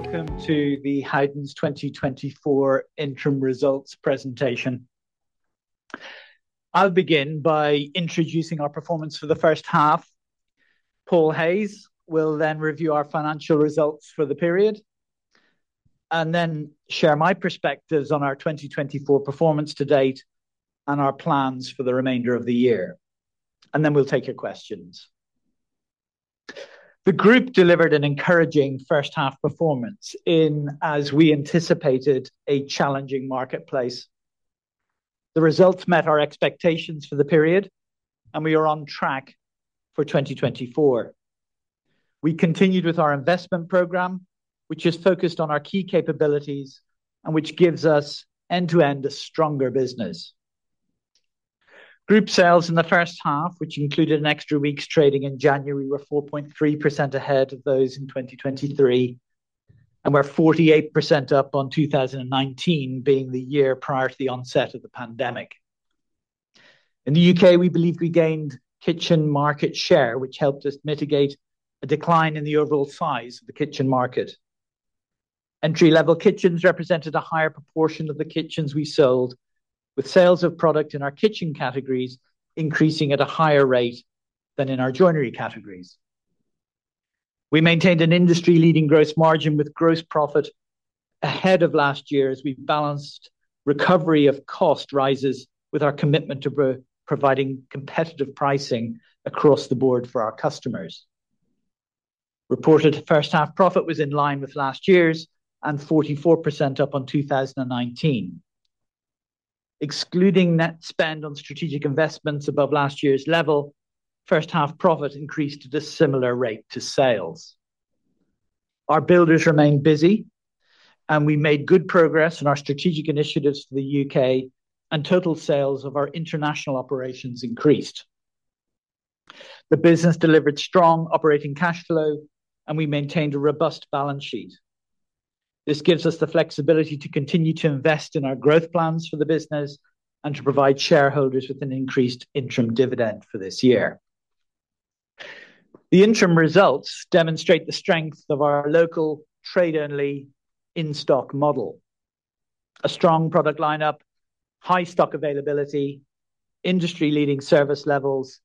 Welcome to the Howdens 2024 interim results presentation. I'll begin by introducing our performance for the first half. Paul Hayes will then review our financial results for the period, and then share my perspectives on our 2024 performance to date and our plans for the remainder of the year, and then we'll take your questions. The group delivered an encouraging first half performance in, as we anticipated, a challenging marketplace. The results met our expectations for the period, and we are on track for 2024. We continued with our investment program, which is focused on our key capabilities and which gives us end-to-end a stronger business. Group sales in the first half, which included an extra week's trading in January, were 4.3% ahead of those in 2023, and we're 48% up on 2019, being the year prior to the onset of the pandemic. In the U.K., we believe we gained kitchen market share, which helped us mitigate a decline in the overall size of the kitchen market. Entry-level kitchens represented a higher proportion of the kitchens we sold, with sales of product in our kitchen categories increasing at a higher rate than in our joinery categories. We maintained an industry-leading gross margin, with gross profit ahead of last year as we balanced recovery of cost rises with our commitment to providing competitive pricing across the board for our customers. Reported first half profit was in line with last year's and 44% up on 2019. Excluding net spend on strategic investments above last year's level, first half profit increased at a similar rate to sales. Our builders remained busy, and we made good progress in our strategic initiatives to the U.K., and total sales of our international operations increased. The business delivered strong operating cash flow, and we maintained a robust balance sheet. This gives us the flexibility to continue to invest in our growth plans for the business and to provide shareholders with an increased interim dividend for this year. The interim results demonstrate the strength of our local trade-only in-stock model. A strong product lineup, high stock availability, industry-leading service levels,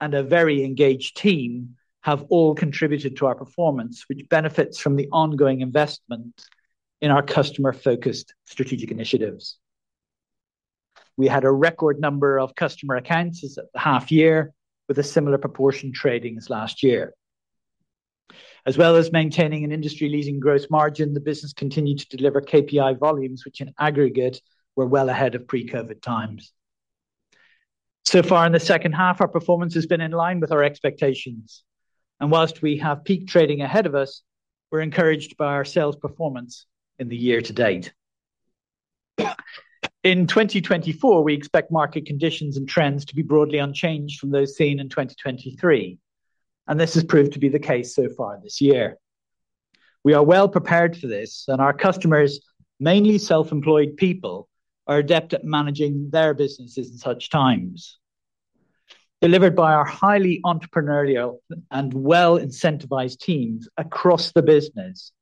and a very engaged team have all contributed to our performance, which benefits from the ongoing investment in our customer-focused strategic initiatives. We had a record number of customer accounts as at the half year, with a similar proportion trading as last year. As well as maintaining an industry-leading gross margin, the business continued to deliver KPI volumes, which in aggregate were well ahead of pre-COVID times. So far in the second half, our performance has been in line with our expectations, and whilst we have peak trading ahead of us, we're encouraged by our sales performance in the year to date. In 2024, we expect market conditions and trends to be broadly unchanged from those seen in 2023, and this has proved to be the case so far this year. We are well prepared for this, and our customers, mainly self-employed people, are adept at managing their businesses in such times. Delivered by our highly entrepreneurial and well-incentivized teams across the business,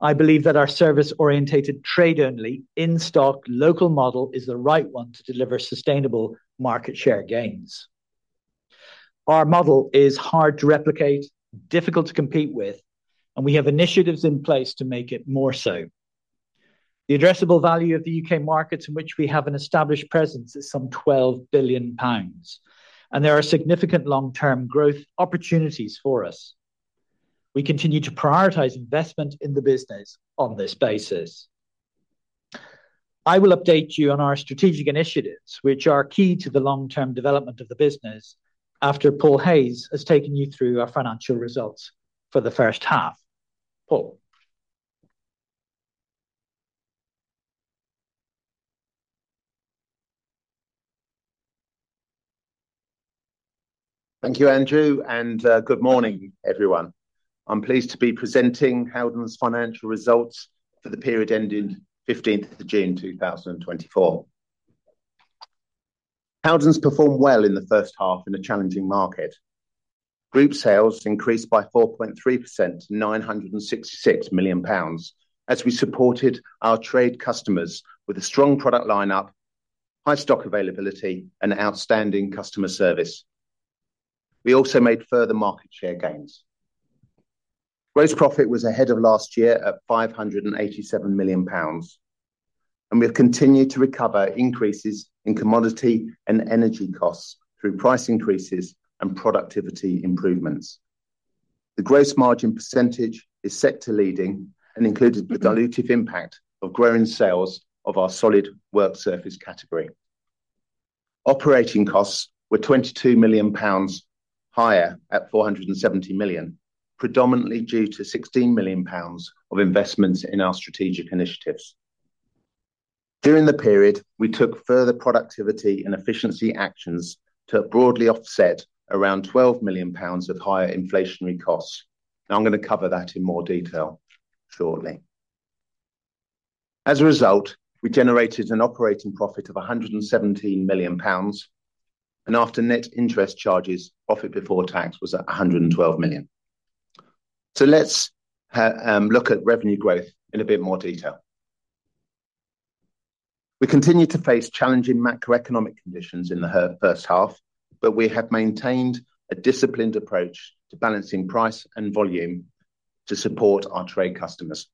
I believe that our service-oriented, trade-only, in-stock, local model is the right one to deliver sustainable market share gains. Our model is hard to replicate, difficult to compete with, and we have initiatives in place to make it more so. The addressable value of the U.K. markets in which we have an established presence is some 12 billion pounds, and there are significant long-term growth opportunities for us. We continue to prioritize investment in the business on this basis. I will update you on our strategic initiatives, which are key to the long-term development of the business after Paul Hayes has taken you through our financial results for the first half. Paul? Thank you, Andrew, and good morning, everyone. I'm pleased to be presenting Howdens' financial results for the period ending fifteenth of June, two thousand and twenty-four. Howdens performed well in the first half in a challenging market. Group sales increased by 4.3%, 966 million pounds, as we supported our trade customers with a strong product line up, high stock availability, and outstanding customer service. We also made further market share gains. Gross profit was ahead of last year at 587 million pounds, and we have continued to recover increases in commodity and energy costs through price increases and productivity improvements. The gross margin percentage is sector leading and included the dilutive impact of growing sales of our solid work surface category. Operating costs were 22 million pounds higher at 470 million, predominantly due to 16 million pounds of investments in our strategic initiatives. During the period, we took further productivity and efficiency actions to broadly offset around 12 million pounds of higher inflationary costs, and I'm going to cover that in more detail shortly. As a result, we generated an operating profit of 117 million pounds, and after net interest charges, profit before tax was at 112 million. So let's look at revenue growth in a bit more detail. We continued to face challenging macroeconomic conditions in the first half, but we have maintained a disciplined approach to balancing price and volume to support our trade customers.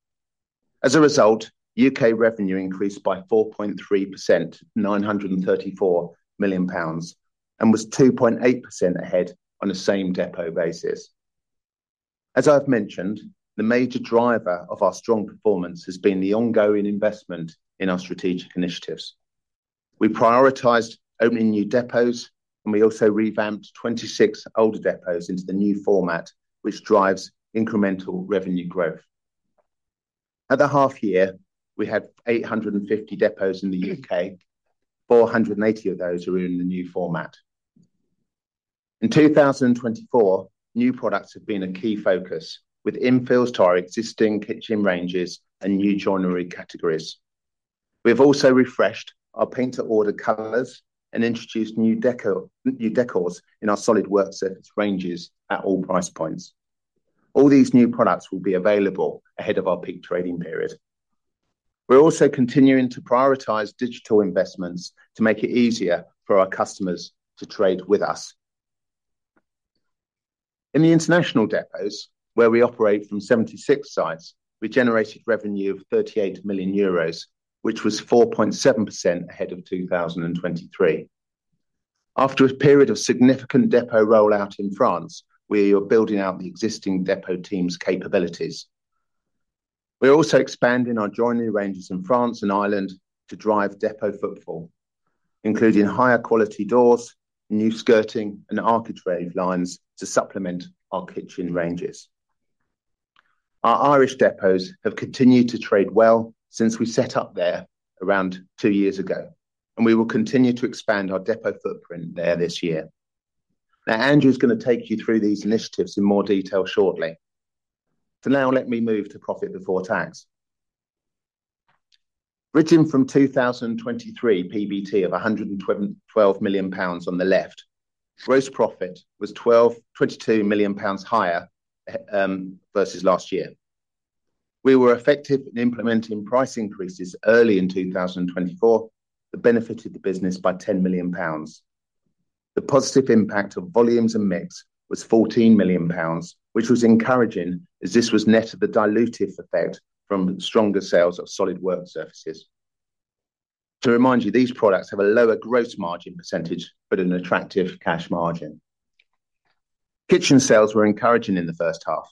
As a result, U.K. revenue increased by 4.3%, 934 million pounds, and was 2.8% ahead on a same depot basis. As I've mentioned, the major driver of our strong performance has been the ongoing investment in our strategic initiatives. We prioritized opening new depots, and we also revamped 26 older depots into the new format, which drives incremental revenue growth. At the half year, we had 850 depots in the U.K.. 480 of those are in the new format. In 2024, new products have been a key focus, with infills to our existing kitchen ranges and new joinery categories. We have also refreshed our Paint to Order colors and introduced new decor, new decors in our solid work surface ranges at all price points. All these new products will be available ahead of our peak trading period. We're also continuing to prioritize digital investments to make it easier for our customers to trade with us. In the international depots, where we operate from 76 sites, we generated revenue of 38 million euros, which was 4.7% ahead of 2023. After a period of significant depot rollout in France, we are building out the existing depot team's capabilities. We're also expanding our joinery ranges in France and Ireland to drive depot footfall, including higher quality doors, new skirting, and architrave lines to supplement our kitchen ranges. Our Irish depots have continued to trade well since we set up there around two years ago, and we will continue to expand our depot footprint there this year. Now, Andrew is going to take you through these initiatives in more detail shortly. For now, let me move to profit before tax. Bridging from 2023 PBT of GBP 112 million on the left, gross profit was GBP 22 million higher versus last year. We were effective in implementing price increases early in 2024, that benefited the business by 10 million pounds. The positive impact of volumes and mix was 14 million pounds, which was encouraging as this was net of the dilutive effect from stronger sales of solid work surfaces. To remind you, these products have a lower gross margin percentage, but an attractive cash margin. Kitchen sales were encouraging in the first half,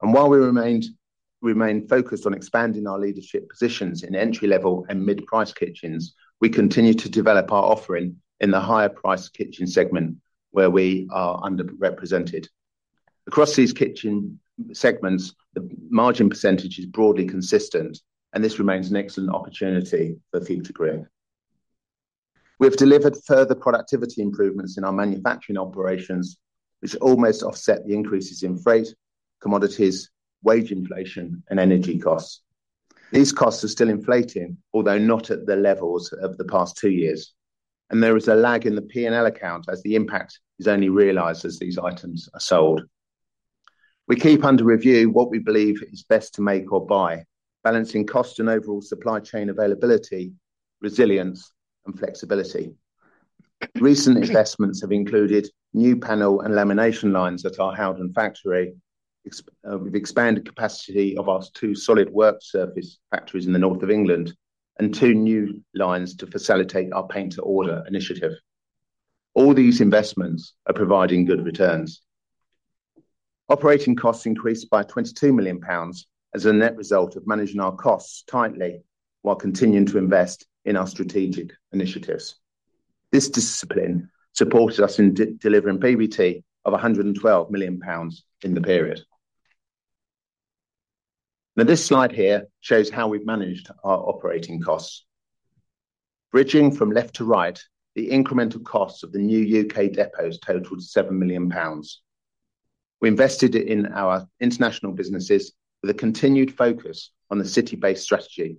and while we remain focused on expanding our leadership positions in entry-level and mid-price kitchens, we continued to develop our offering in the higher-price kitchen segment, where we are underrepresented. Across these kitchen segments, the margin percentage is broadly consistent, and this remains an excellent opportunity for future growth. We have delivered further productivity improvements in our manufacturing operations, which almost offset the increases in freight, commodities, wage inflation, and energy costs. These costs are still inflating, although not at the levels of the past two years, and there is a lag in the P&L account as the impact is only realized as these items are sold. We keep under review what we believe is best to make or buy, balancing cost and overall supply chain availability, resilience, and flexibility. Recent investments have included new panel and lamination lines at our Howden factory, we've expanded capacity of our two solid work surface factories in the North of England and two new lines to facilitate our Paint to Order initiative. All these investments are providing good returns. Operating costs increased by 22 million pounds as a net result of managing our costs tightly while continuing to invest in our strategic initiatives. This discipline supported us in delivering PBT of 112 million pounds in the period. Now, this slide here shows how we've managed our operating costs. Bridging from left to right, the incremental costs of the new U.K. depots totaled 7 million pounds. We invested it in our international businesses with a continued focus on the city-based strategy.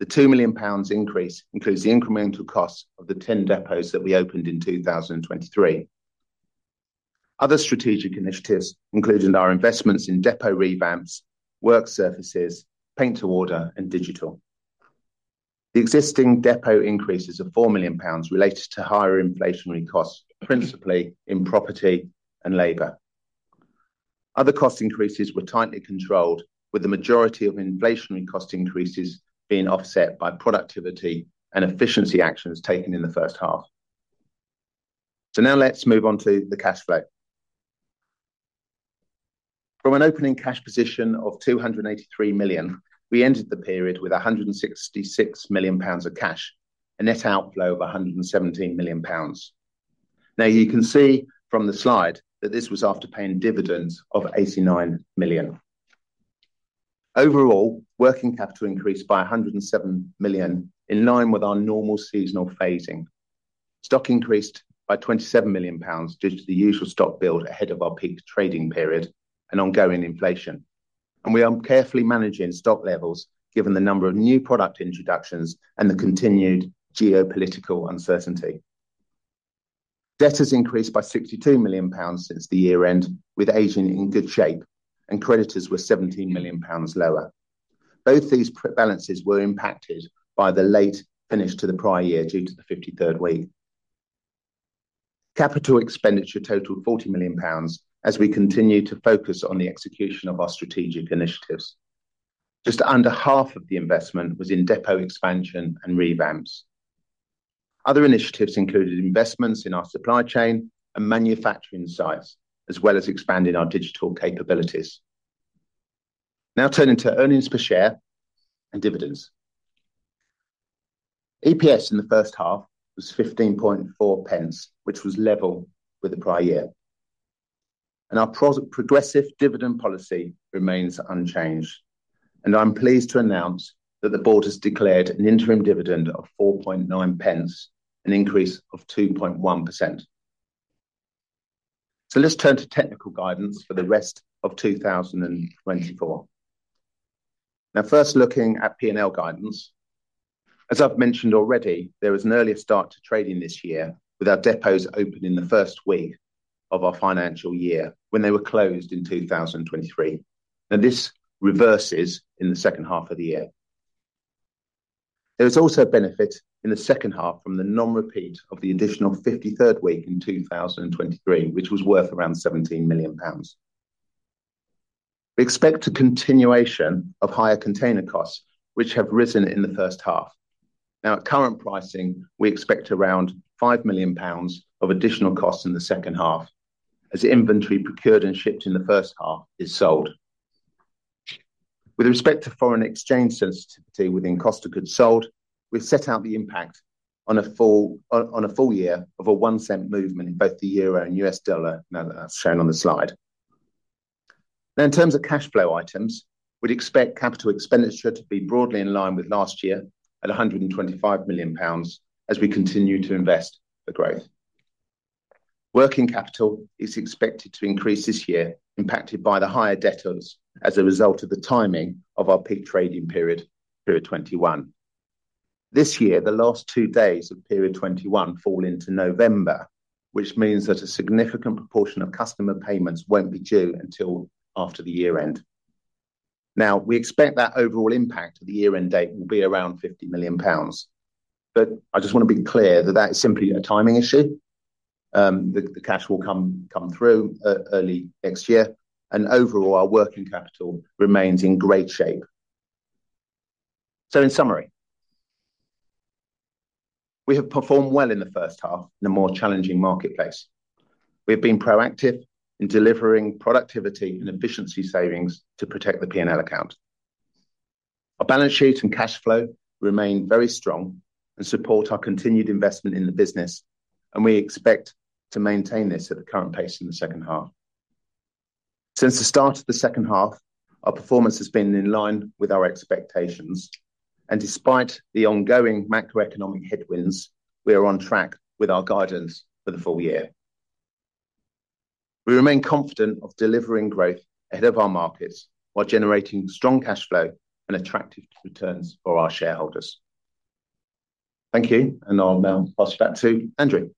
The 2 million pounds increase includes the incremental costs of the 10 depots that we opened in 2023. Other strategic initiatives included our investments in depot revamps, work surfaces, Paint to Order, and digital. The existing depot increases of 4 million pounds related to higher inflationary costs, principally in property and labor. Other cost increases were tightly controlled, with the majority of inflationary cost increases being offset by productivity and efficiency actions taken in the first half. So now let's move on to the cash flow. From an opening cash position of 283 million, we ended the period with 166 million pounds of cash, a net outflow of 117 million pounds. Now, you can see from the slide that this was after paying dividends of 89 million. Overall, working capital increased by 107 million, in line with our normal seasonal phasing. Stock increased by 27 million pounds due to the usual stock build ahead of our peak trading period and ongoing inflation, and we are carefully managing stock levels, given the number of new product introductions and the continued geopolitical uncertainty. Debt has increased by 62 million pounds since the year end, with aging in good shape, and creditors were 17 million pounds lower. Both these balances were impacted by the late finish to the prior year, due to the 53rd week. Capital expenditure totaled 40 million pounds as we continue to focus on the execution of our strategic initiatives. Just under half of the investment was in depot expansion and revamps. Other initiatives included investments in our supply chain and manufacturing sites, as well as expanding our digital capabilities. Now turning to earnings per share and dividends. EPS in the first half was 0.154, which was level with the prior year, and our progressive dividend policy remains unchanged. I'm pleased to announce that the board has declared an interim dividend of 0.049, an increase of 2.1%. So let's turn to technical guidance for the rest of 2024. Now, first looking at P&L guidance, as I've mentioned already, there was an earlier start to trading this year, with our depots opening the first week of our financial year, when they were closed in 2023, and this reverses in the second half of the year. There was also a benefit in the second half from the non-repeat of the additional 53rd week in 2023, which was worth around GBP 17 million. We expect a continuation of higher container costs, which have risen in the first half. Now, at current pricing, we expect around 5 million pounds of additional costs in the second half, as the inventory procured and shipped in the first half is sold. With respect to foreign exchange sensitivity within cost of goods sold, we've set out the impact on a full year of a one cent movement in both the euro and U.S. dollar; now that's shown on the slide. Now, in terms of cash flow items, we'd expect capital expenditure to be broadly in line with last year at 125 million pounds as we continue to invest for growth. Working capital is expected to increase this year, impacted by the higher debtors as a result of the timing of our peak trading period, Period 11. This year, the last two days of Period 11 fall into November, which means that a significant proportion of customer payments won't be due until after the year end. Now, we expect that overall impact of the year-end date will be around 50 million pounds. But I just want to be clear that that is simply a timing issue. The cash will come through early next year, and overall, our working capital remains in great shape. So in summary, we have performed well in the first half in a more challenging marketplace. We've been proactive in delivering productivity and efficiency savings to protect the P&L account. Our balance sheet and cash flow remain very strong and support our continued investment in the business, and we expect to maintain this at the current pace in the second half. Since the start of the second half, our performance has been in line with our expectations, and despite the ongoing macroeconomic headwinds, we are on track with our guidance for the full year. We remain confident of delivering growth ahead of our markets while generating strong cash flow and attractive returns for our shareholders. Thank you, and I'll now pass it back to Andrew.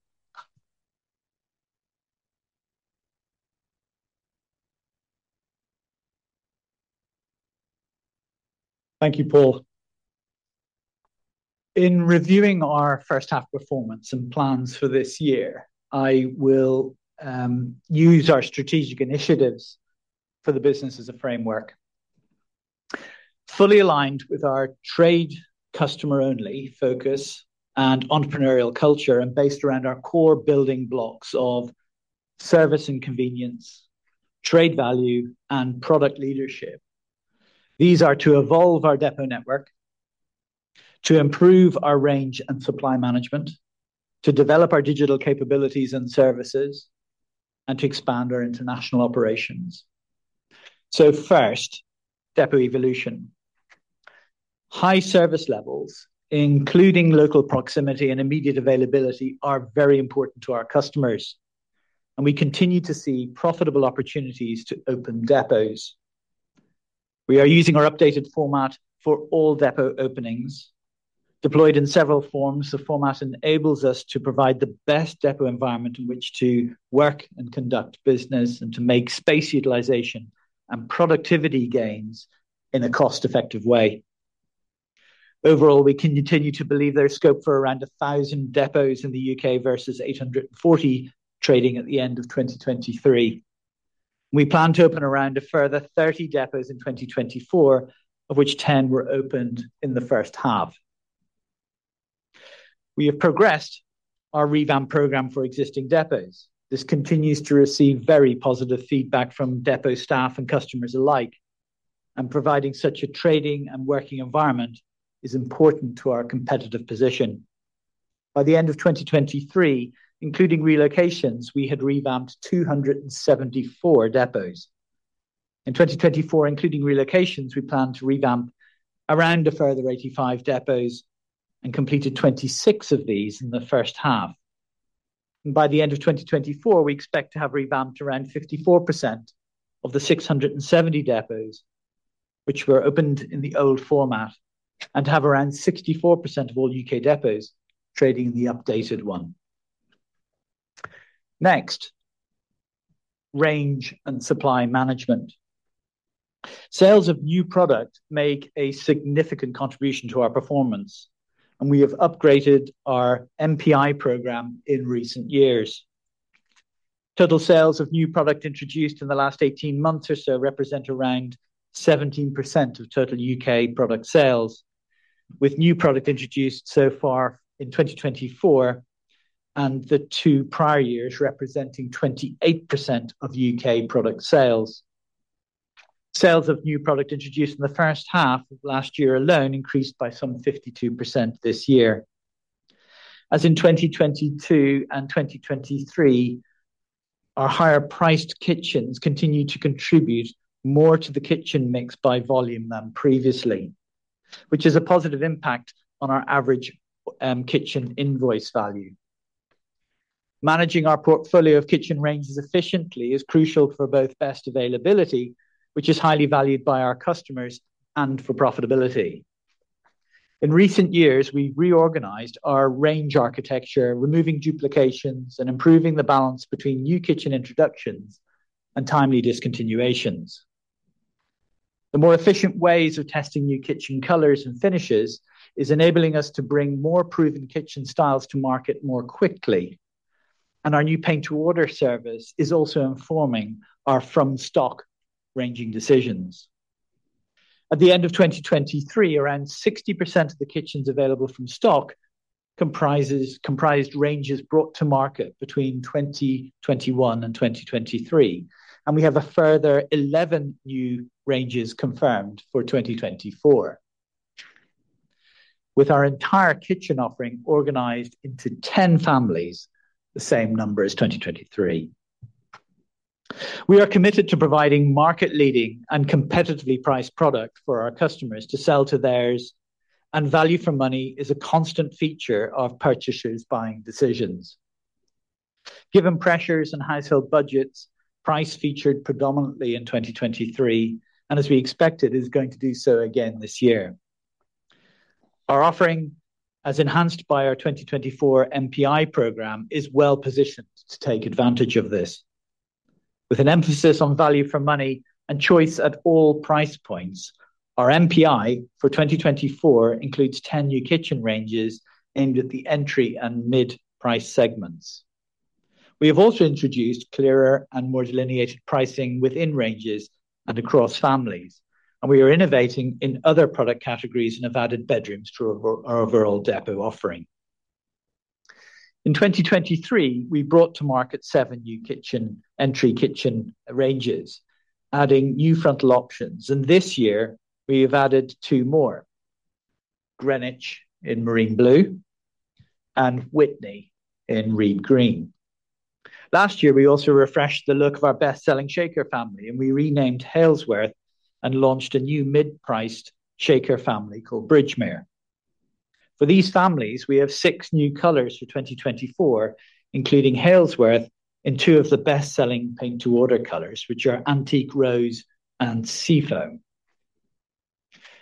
Thank you, Paul. In reviewing our first half performance and plans for this year, I will use our strategic initiatives for the business as a framework. Fully aligned with our trade customer-only focus and entrepreneurial culture, and based around our core building blocks of service and convenience, trade value, and product leadership. These are to evolve our depot network, to improve our range and supply management, to develop our digital capabilities and services, and to expand our international operations. So first, depot evolution. High service levels, including local proximity and immediate availability, are very important to our customers, and we continue to see profitable opportunities to open depots. We are using our updated format for all depot openings. Deployed in several forms, the format enables us to provide the best depot environment in which to work and conduct business and to make space utilization and productivity gains in a cost-effective way. Overall, we continue to believe there is scope for around 1,000 depots in the U.K. versus 840 trading at the end of 2023. We plan to open around a further 30 depots in 2024, of which 10 were opened in the first half. We have progressed our revamp program for existing depots. This continues to receive very positive feedback from depot staff and customers alike, and providing such a trading and working environment is important to our competitive position. By the end of 2023, including relocations, we had revamped 274 depots... In 2024, including relocations, we plan to revamp around a further 85 depots and completed 26 of these in the first half. By the end of 2024, we expect to have revamped around 54% of the 670 depots, which were opened in the old format, and have around 64% of all U.K. depots trading in the updated one. Next, range and supply management. Sales of new product make a significant contribution to our performance, and we have upgraded our NPI program in recent years. Total sales of new product introduced in the last 18 months or so represent around 17% of total U.K. product sales, with new product introduced so far in 2024 and the two prior years representing 28% of U.K. product sales. Sales of new product introduced in the first half of last year alone increased by some 52% this year. As in 2022 and 2023, our higher-priced kitchens continued to contribute more to the kitchen mix by volume than previously, which is a positive impact on our average, kitchen invoice value. Managing our portfolio of kitchen ranges efficiently is crucial for both best availability, which is highly valued by our customers, and for profitability. In recent years, we reorganized our range architecture, removing duplications and improving the balance between new kitchen introductions and timely discontinuations. The more efficient ways of testing new kitchen colors and finishes is enabling us to bring more proven kitchen styles to market more quickly, and our new Paint to Order service is also informing our from stock ranging decisions. At the end of 2023, around 60% of the kitchens available from stock comprised ranges brought to market between 2021 and 2023, and we have a further 11 new ranges confirmed for 2024. With our entire kitchen offering organized into 10 families, the same number as 2023. We are committed to providing market-leading and competitively priced product for our customers to sell to theirs, and value for money is a constant feature of purchasers' buying decisions. Given pressures and household budgets, price featured predominantly in 2023, and as we expected, is going to do so again this year. Our offering, as enhanced by our 2024 NPI program, is well positioned to take advantage of this. With an emphasis on value for money and choice at all price points, our NPI for 2024 includes 10 new kitchen ranges aimed at the entry and mid-price segments. We have also introduced clearer and more delineated pricing within ranges and across families, and we are innovating in other product categories and have added bedrooms to our overall depot offering. In 2023, we brought to market 7 new kitchen, entry kitchen ranges, adding new frontal options, and this year we have added 2 more: Greenwich in Marine Blue and Witney in Reed Green. Last year, we also refreshed the look of our best-selling Shaker family, and we renamed Halesworth and launched a new mid-priced Shaker family called Bridgemere. For these families, we have six new colors for 2024, including Halesworth in two of the best-selling Paint to Order colors, which are Antique Rose and Seafoam,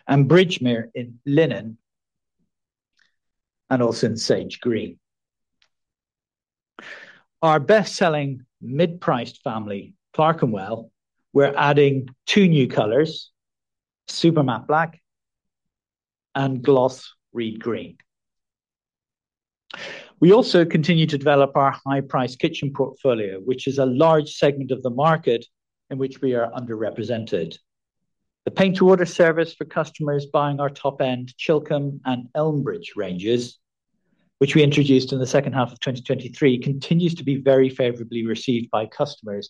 and Bridgemere in Linen and also in Sage Green. Our best-selling mid-priced family, Clerkenwell, we're adding two new colors, Super Matte Black and Gloss Reed Green. We also continue to develop our high-priced kitchen portfolio, which is a large segment of the market in which we are underrepresented. The Paint to Order service for customers buying our top-end Chilcombe and Elmbridge ranges, which we introduced in the second half of 2023, continues to be very favorably received by customers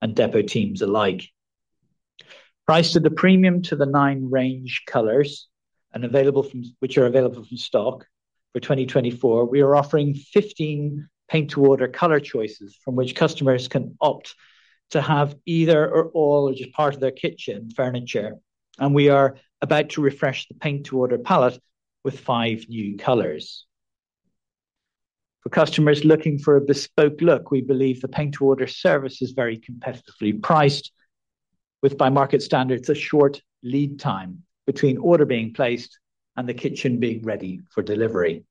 and depot teams alike. Priced at a premium to the nine range colors, which are available from stock for 2024, we are offering 15 Paint to Order color choices from which customers can opt to have either or all as a part of their kitchen furniture, and we are about to refresh the Paint to Order palette with 5 new colors. For customers looking for a bespoke look, we believe the Paint to Order service is very competitively priced, with, by market standards, a short lead time between order being placed and the kitchen being ready for delivery.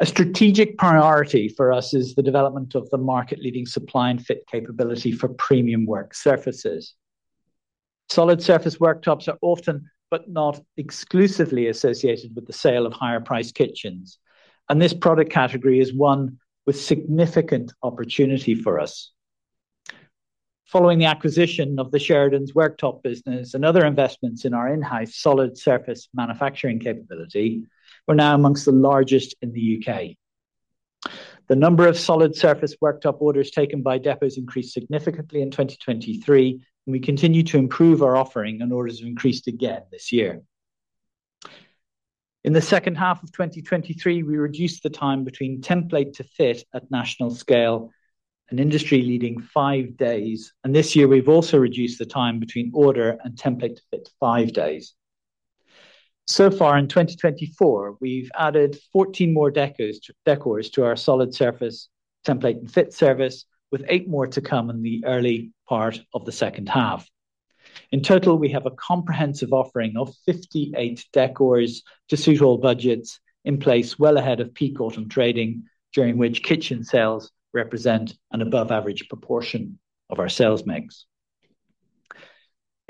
A strategic priority for us is the development of the market-leading supply and fit capability for premium work surfaces. Solid Surface worktops are often, but not exclusively, associated with the sale of higher-priced kitchens, and this product category is one with significant opportunity for us. Following the acquisition of the Sheridan Fabrications worktop business and other investments in our in-house Solid Surface manufacturing capability, we're now among the largest in the U.K. The number of Solid Surface worktop orders taken by depots increased significantly in 2023, and we continue to improve our offering, and orders have increased again this year. In the second half of 2023, we reduced the time between template to fit at national scale, an industry-leading five days, and this year we've also reduced the time between order and template to fit five days. So far in 2024, we've added 14 more decos, decors to our Solid Surface template and fit service, with eight more to come in the early part of the second half. In total, we have a comprehensive offering of 58 decors to suit all budgets in place well ahead of peak autumn trading, during which kitchen sales represent an above average proportion of our sales mix.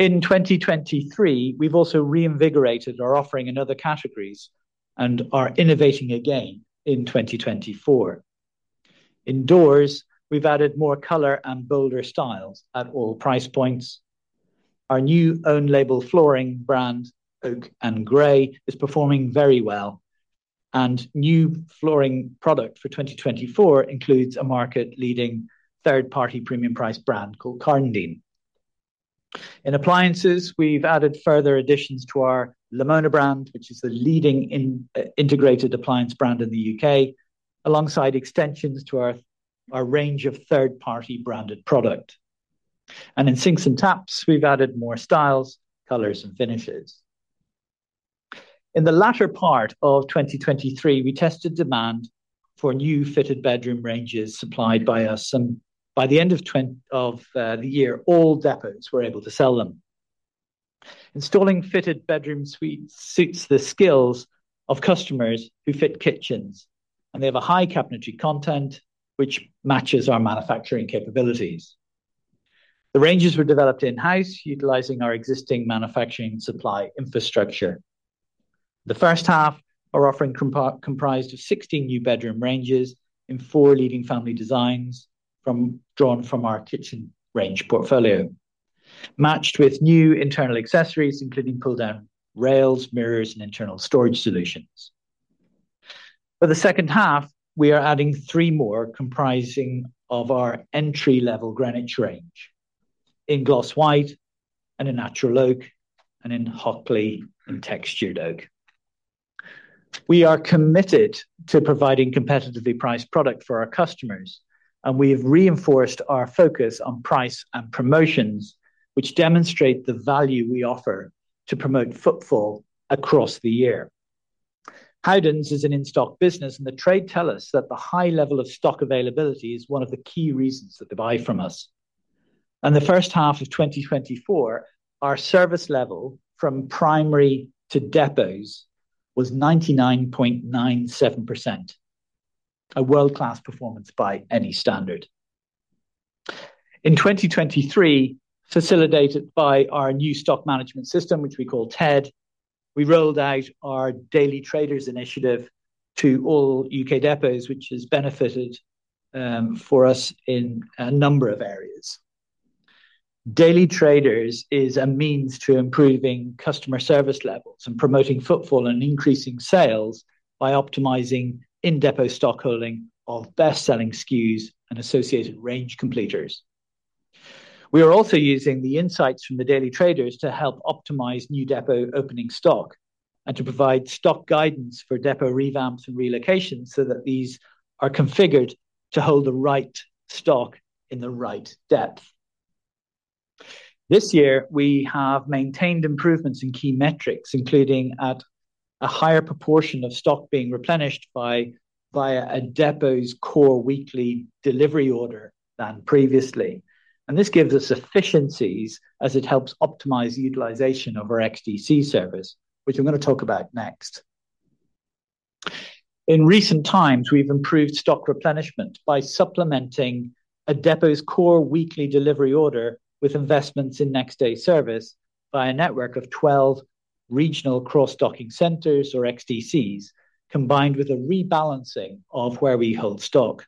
In 2023, we've also reinvigorated our offering in other categories and are innovating again in 2024. In doors, we've added more color and bolder styles at all price points. Our new own label flooring brand, Oake and Gray, is performing very well, and new flooring product for 2024 includes a market-leading third-party premium price brand called Karndean. In appliances, we've added further additions to our Lamona brand, which is the leading in integrated appliance brand in the U.K., alongside extensions to our range of third-party branded product. In sinks and taps, we've added more styles, colors, and finishes. In the latter part of 2023, we tested demand for new fitted bedroom ranges supplied by us, and by the end of the year, all depots were able to sell them. Installing fitted bedroom suites suits the skills of customers who fit kitchens, and they have a high cabinetry content, which matches our manufacturing capabilities. The ranges were developed in-house, utilizing our existing manufacturing and supply infrastructure. The first half, our offering comprised of 16 new bedroom ranges in four leading family designs drawn from our kitchen range portfolio, matched with new internal accessories, including pull-down rails, mirrors, and internal storage solutions. For the second half, we are adding three more, comprising of our entry-level Greenwich range in gloss white and in natural oak and in Hockley and textured oak. We are committed to providing competitively priced product for our customers, and we have reinforced our focus on price and promotions, which demonstrate the value we offer to promote footfall across the year. Howdens is an in-stock business, and the trade tell us that the high level of stock availability is one of the key reasons that they buy from us. The first half of 2024, our service level from primary to depots was 99.97%, a world-class performance by any standard. In 2023, facilitated by our new stock management system, which we call TED, we rolled out our daily traders initiative to all U.K. depots, which has benefited for us in a number of areas. Daily Traders is a means to improving customer service levels and promoting footfall and increasing sales by optimizing in depot stockholding of best-selling SKUs and associated range completers. We are also using the insights from the Daily Traders to help optimize new depot opening stock and to provide stock guidance for depot revamps and relocations so that these are configured to hold the right stock in the right depth. This year, we have maintained improvements in key metrics, including at a higher proportion of stock being replenished by, via a depot's core weekly delivery order than previously. This gives us efficiencies as it helps optimize utilization of our XDC service, which I'm going to talk about next. In recent times, we've improved stock replenishment by supplementing a depot's core weekly delivery order with investments in next day service by a network of 12 regional cross-docking centers or XDCs, combined with a rebalancing of where we hold stock.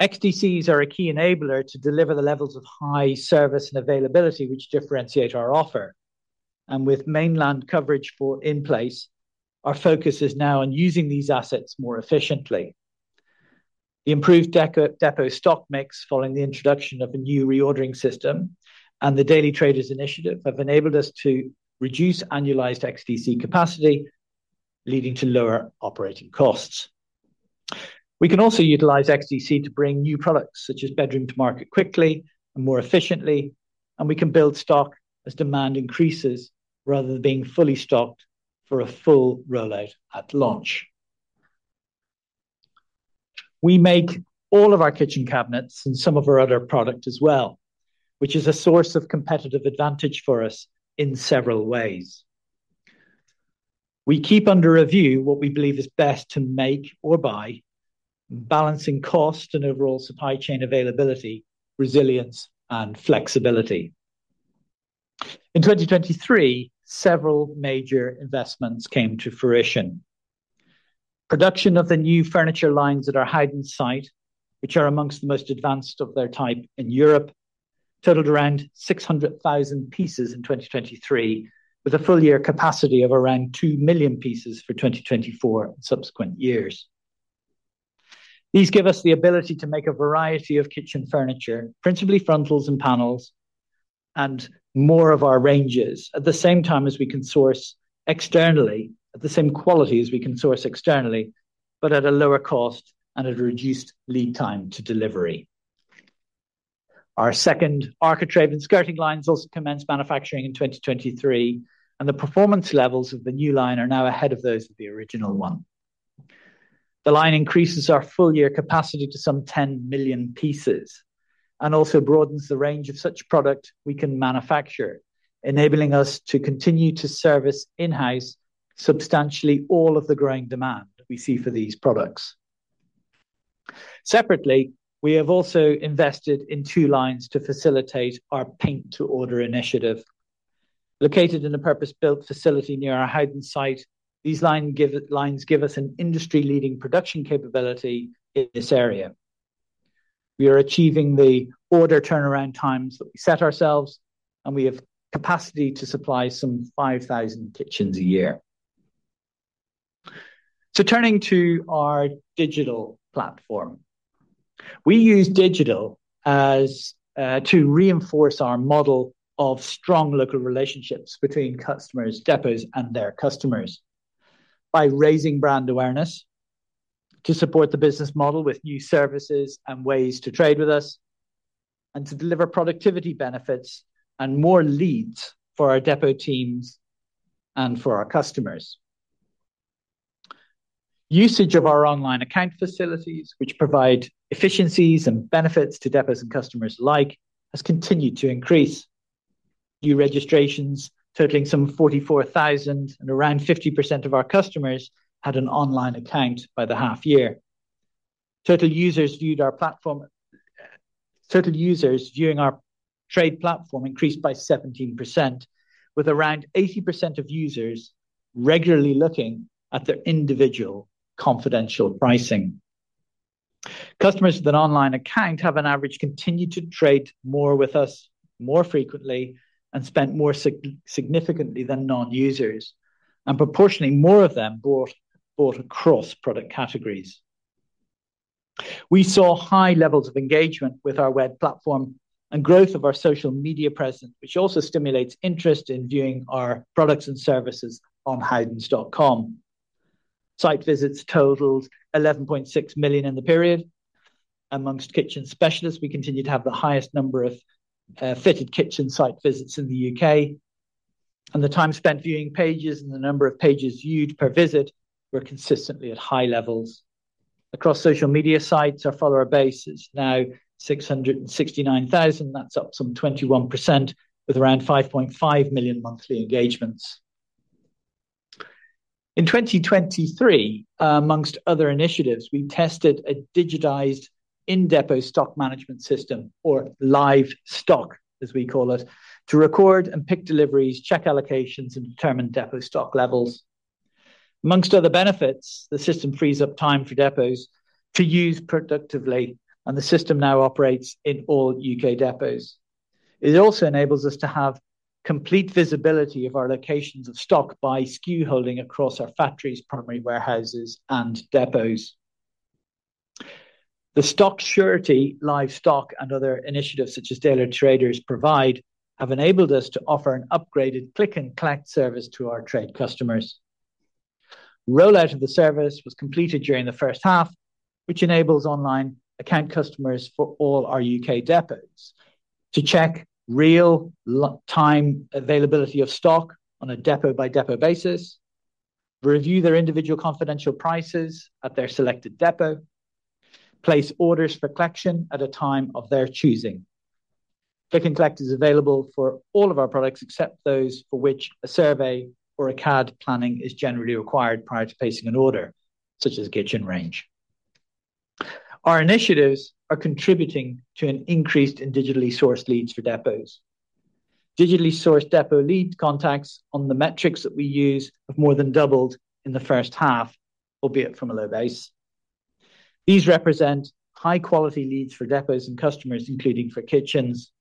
XDCs are a key enabler to deliver the levels of high service and availability, which differentiate our offer, and with mainland coverage in place, our focus is now on using these assets more efficiently. The improved depot stock mix, following the introduction of a new reordering system and the Daily Traders initiative, have enabled us to reduce annualized XDC capacity, leading to lower operating costs. We can also utilize XDC to bring new products, such as bedroom, to market quickly and more efficiently, and we can build stock as demand increases, rather than being fully stocked for a full rollout at launch. We make all of our kitchen cabinets and some of our other products as well, which is a source of competitive advantage for us in several ways. We keep under review what we believe is best to make or buy, balancing cost and overall supply chain availability, resilience, and flexibility. In 2023, several major investments came to fruition. Production of the new furniture lines at our Howden site, which are among the most advanced of their type in Europe, totaled around 600,000 pieces in 2023, with a full year capacity of around 2 million pieces for 2024 and subsequent years.... These give us the ability to make a variety of kitchen furniture, principally frontals and panels, and more of our ranges, at the same time as we can source externally, at the same quality as we can source externally, but at a lower cost and at a reduced lead time to delivery. Our second architrave and skirting lines also commenced manufacturing in 2023, and the performance levels of the new line are now ahead of those of the original one. The line increases our full year capacity to some 10 million pieces and also broadens the range of such product we can manufacture, enabling us to continue to service in-house substantially all of the growing demand we see for these products. Separately, we have also invested in two lines to facilitate our Paint to Order initiative. Located in a purpose-built facility near our Howden site, these lines give us an industry-leading production capability in this area. We are achieving the order turnaround times that we set ourselves, and we have capacity to supply some 5,000 kitchens a year. So turning to our digital platform, we use digital as to reinforce our model of strong local relationships between customers, depots, and their customers by raising brand awareness to support the business model with new services and ways to trade with us and to deliver productivity benefits and more leads for our depot teams and for our customers. Usage of our online account facilities, which provide efficiencies and benefits to depots and customers alike, has continued to increase. New registrations totaling some 44,000 and around 50% of our customers had an online account by the half year. Total users viewed our platform, total users viewing our trade platform increased by 17%, with around 80% of users regularly looking at their individual confidential pricing. Customers with an online account have on average continued to trade more with us more frequently and spent more significantly than non-users, and proportionally more of them bought across product categories. We saw high levels of engagement with our web platform and growth of our social media presence, which also stimulates interest in viewing our products and services on howdens.com. Site visits totaled 11.6 million in the period. Among kitchen specialists, we continue to have the highest number of fitted kitchen site visits in the U.K., and the time spent viewing pages and the number of pages viewed per visit were consistently at high levels. Across social media sites, our follower base is now 669,000. That's up some 21%, with around 5.5 million monthly engagements. In 2023, among other initiatives, we tested a digitized in-depot stock management system or Live Stock, as we call it, to record and pick deliveries, check allocations, and determine depot stock levels. Among other benefits, the system frees up time for depots to use productively, and the system now operates in all U.K. depots. It also enables us to have complete visibility of our locations of stock by SKU holding across our factories, primary warehouses, and depots. The stock surety, Live Stock, and other initiatives such as Daily Traders provide, have enabled us to offer an upgraded Click & Collect service to our trade customers. Rollout of the service was completed during the first half, which enables online account customers for all our U.K. depots to check real-time availability of stock on a depot-by-depot basis, review their individual confidential prices at their selected depot, place orders for collection at a time of Click & Collect is available for all of our products, except those for which a survey or a CAD planning is generally required prior to placing an order, such as kitchen range. Our initiatives are contributing to an increase in digitally sourced leads for depots. Digitally sourced depot lead contacts on the metrics that we use have more than doubled in the first half, albeit from a low base. These represent high-quality leads for depots and customers, including for kitchens.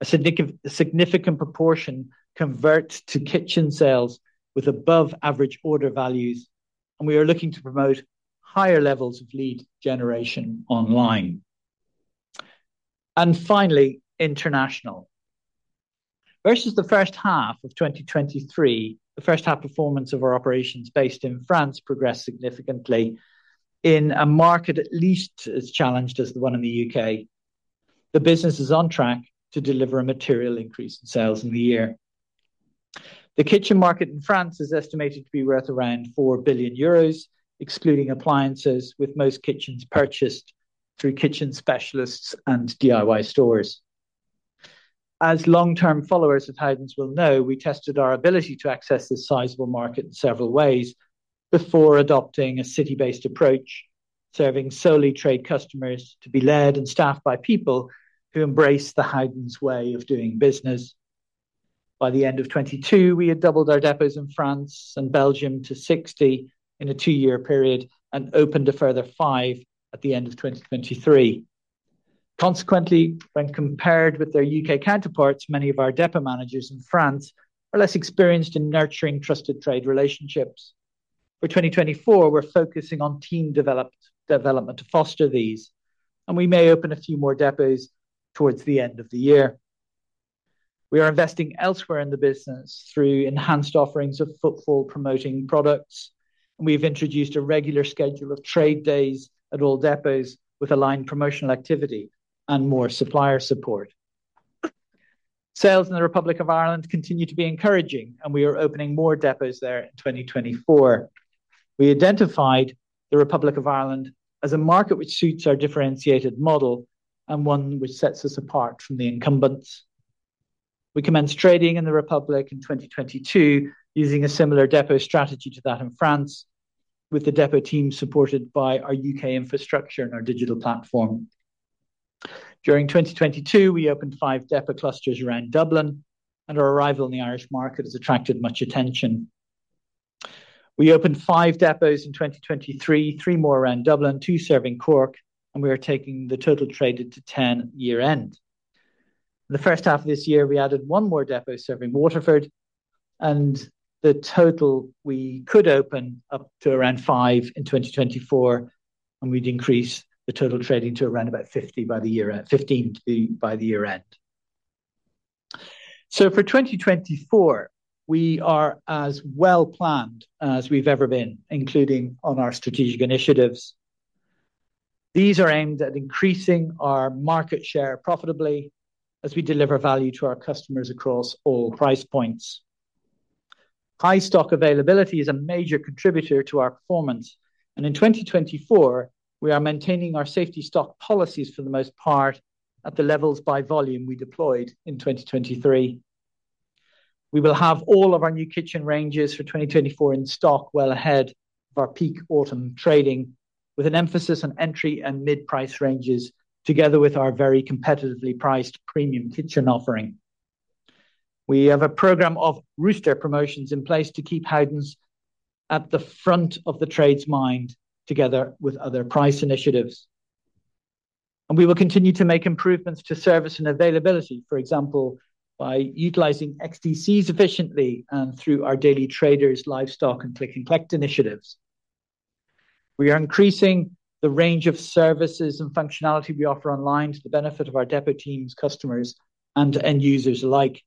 A significant proportion convert to kitchen sales with above-average order values, and we are looking to promote higher levels of lead generation online. And finally, international. Versus the first half of 2023, the first half performance of our operations based in France progressed significantly in a market at least as challenged as the one in the U.K. The business is on track to deliver a material increase in sales in the year. The kitchen market in France is estimated to be worth around 4 billion euros, excluding appliances, with most kitchens purchased through kitchen specialists and DIY stores. As long-term followers of Howdens will know, we tested our ability to access this sizable market in several ways before adopting a city-based approach, serving solely trade customers to be led and staffed by people who embrace the Howdens way of doing business. By the end of 2022, we had doubled our depots in France and Belgium to 60 in a two-year period and opened a further 5 at the end of 2023. Consequently, when compared with their U.K. counterparts, many of our depot managers in France are less experienced in nurturing trusted trade relationships. For 2024, we're focusing on team development to foster these, and we may open a few more depots towards the end of the year. We are investing elsewhere in the business through enhanced offerings of footfall, promoting products, and we've introduced a regular schedule of trade days at all depots, with aligned promotional activity and more supplier support. Sales in the Republic of Ireland continue to be encouraging, and we are opening more depots there in 2024. We identified the Republic of Ireland as a market which suits our differentiated model and one which sets us apart from the incumbents. We commenced trading in the Republic in 2022, using a similar depot strategy to that in France, with the depot team supported by our U.K. infrastructure and our digital platform. During 2022, we opened 5 depot clusters around Dublin, and our arrival in the Irish market has attracted much attention. We opened 5 depots in 2023, 3 more around Dublin, 2 serving Cork, and we are taking the total traded to 10 year-end. The first half of this year, we added 1 more depot serving Waterford, and the total we could open up to around 5 in 2024, and we'd increase the total trading to around about 50 by the year-end, 15 to the, by the year end. So for 2024, we are as well-planned as we've ever been, including on our strategic initiatives. These are aimed at increasing our market share profitably as we deliver value to our customers across all price points. High stock availability is a major contributor to our performance, and in 2024, we are maintaining our safety stock policies, for the most part, at the levels by volume we deployed in 2023. We will have all of our new kitchen ranges for 2024 in stock, well ahead of our peak autumn trading, with an emphasis on entry and mid-price ranges, together with our very competitively priced premium kitchen offering. We have a program of roster promotions in place to keep Howdens at the front of the trade's mind, together with other price initiatives. We will continue to make improvements to service and availability, for example, by utilizing XDCs efficiently and through our Daily Traders, Live Stock and click-and-collect initiatives. We are increasing the range of services and functionality we offer online to the benefit of our depot teams, customers, and end users alike.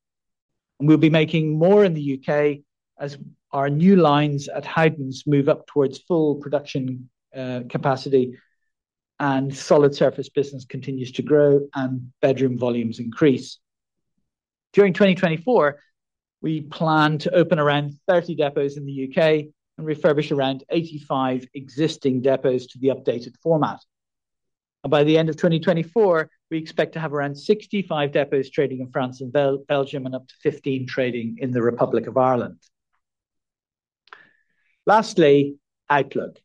We'll be making more in the U.K. as our new lines at Howden move up towards full production capacity and Solid Surface business continues to grow and bedroom volumes increase. During 2024, we plan to open around 30 depots in the U.K. and refurbish around 85 existing depots to the updated format. By the end of 2024, we expect to have around 65 depots trading in France and Belgium, and up to 15 trading in the Republic of Ireland. Lastly, outlook.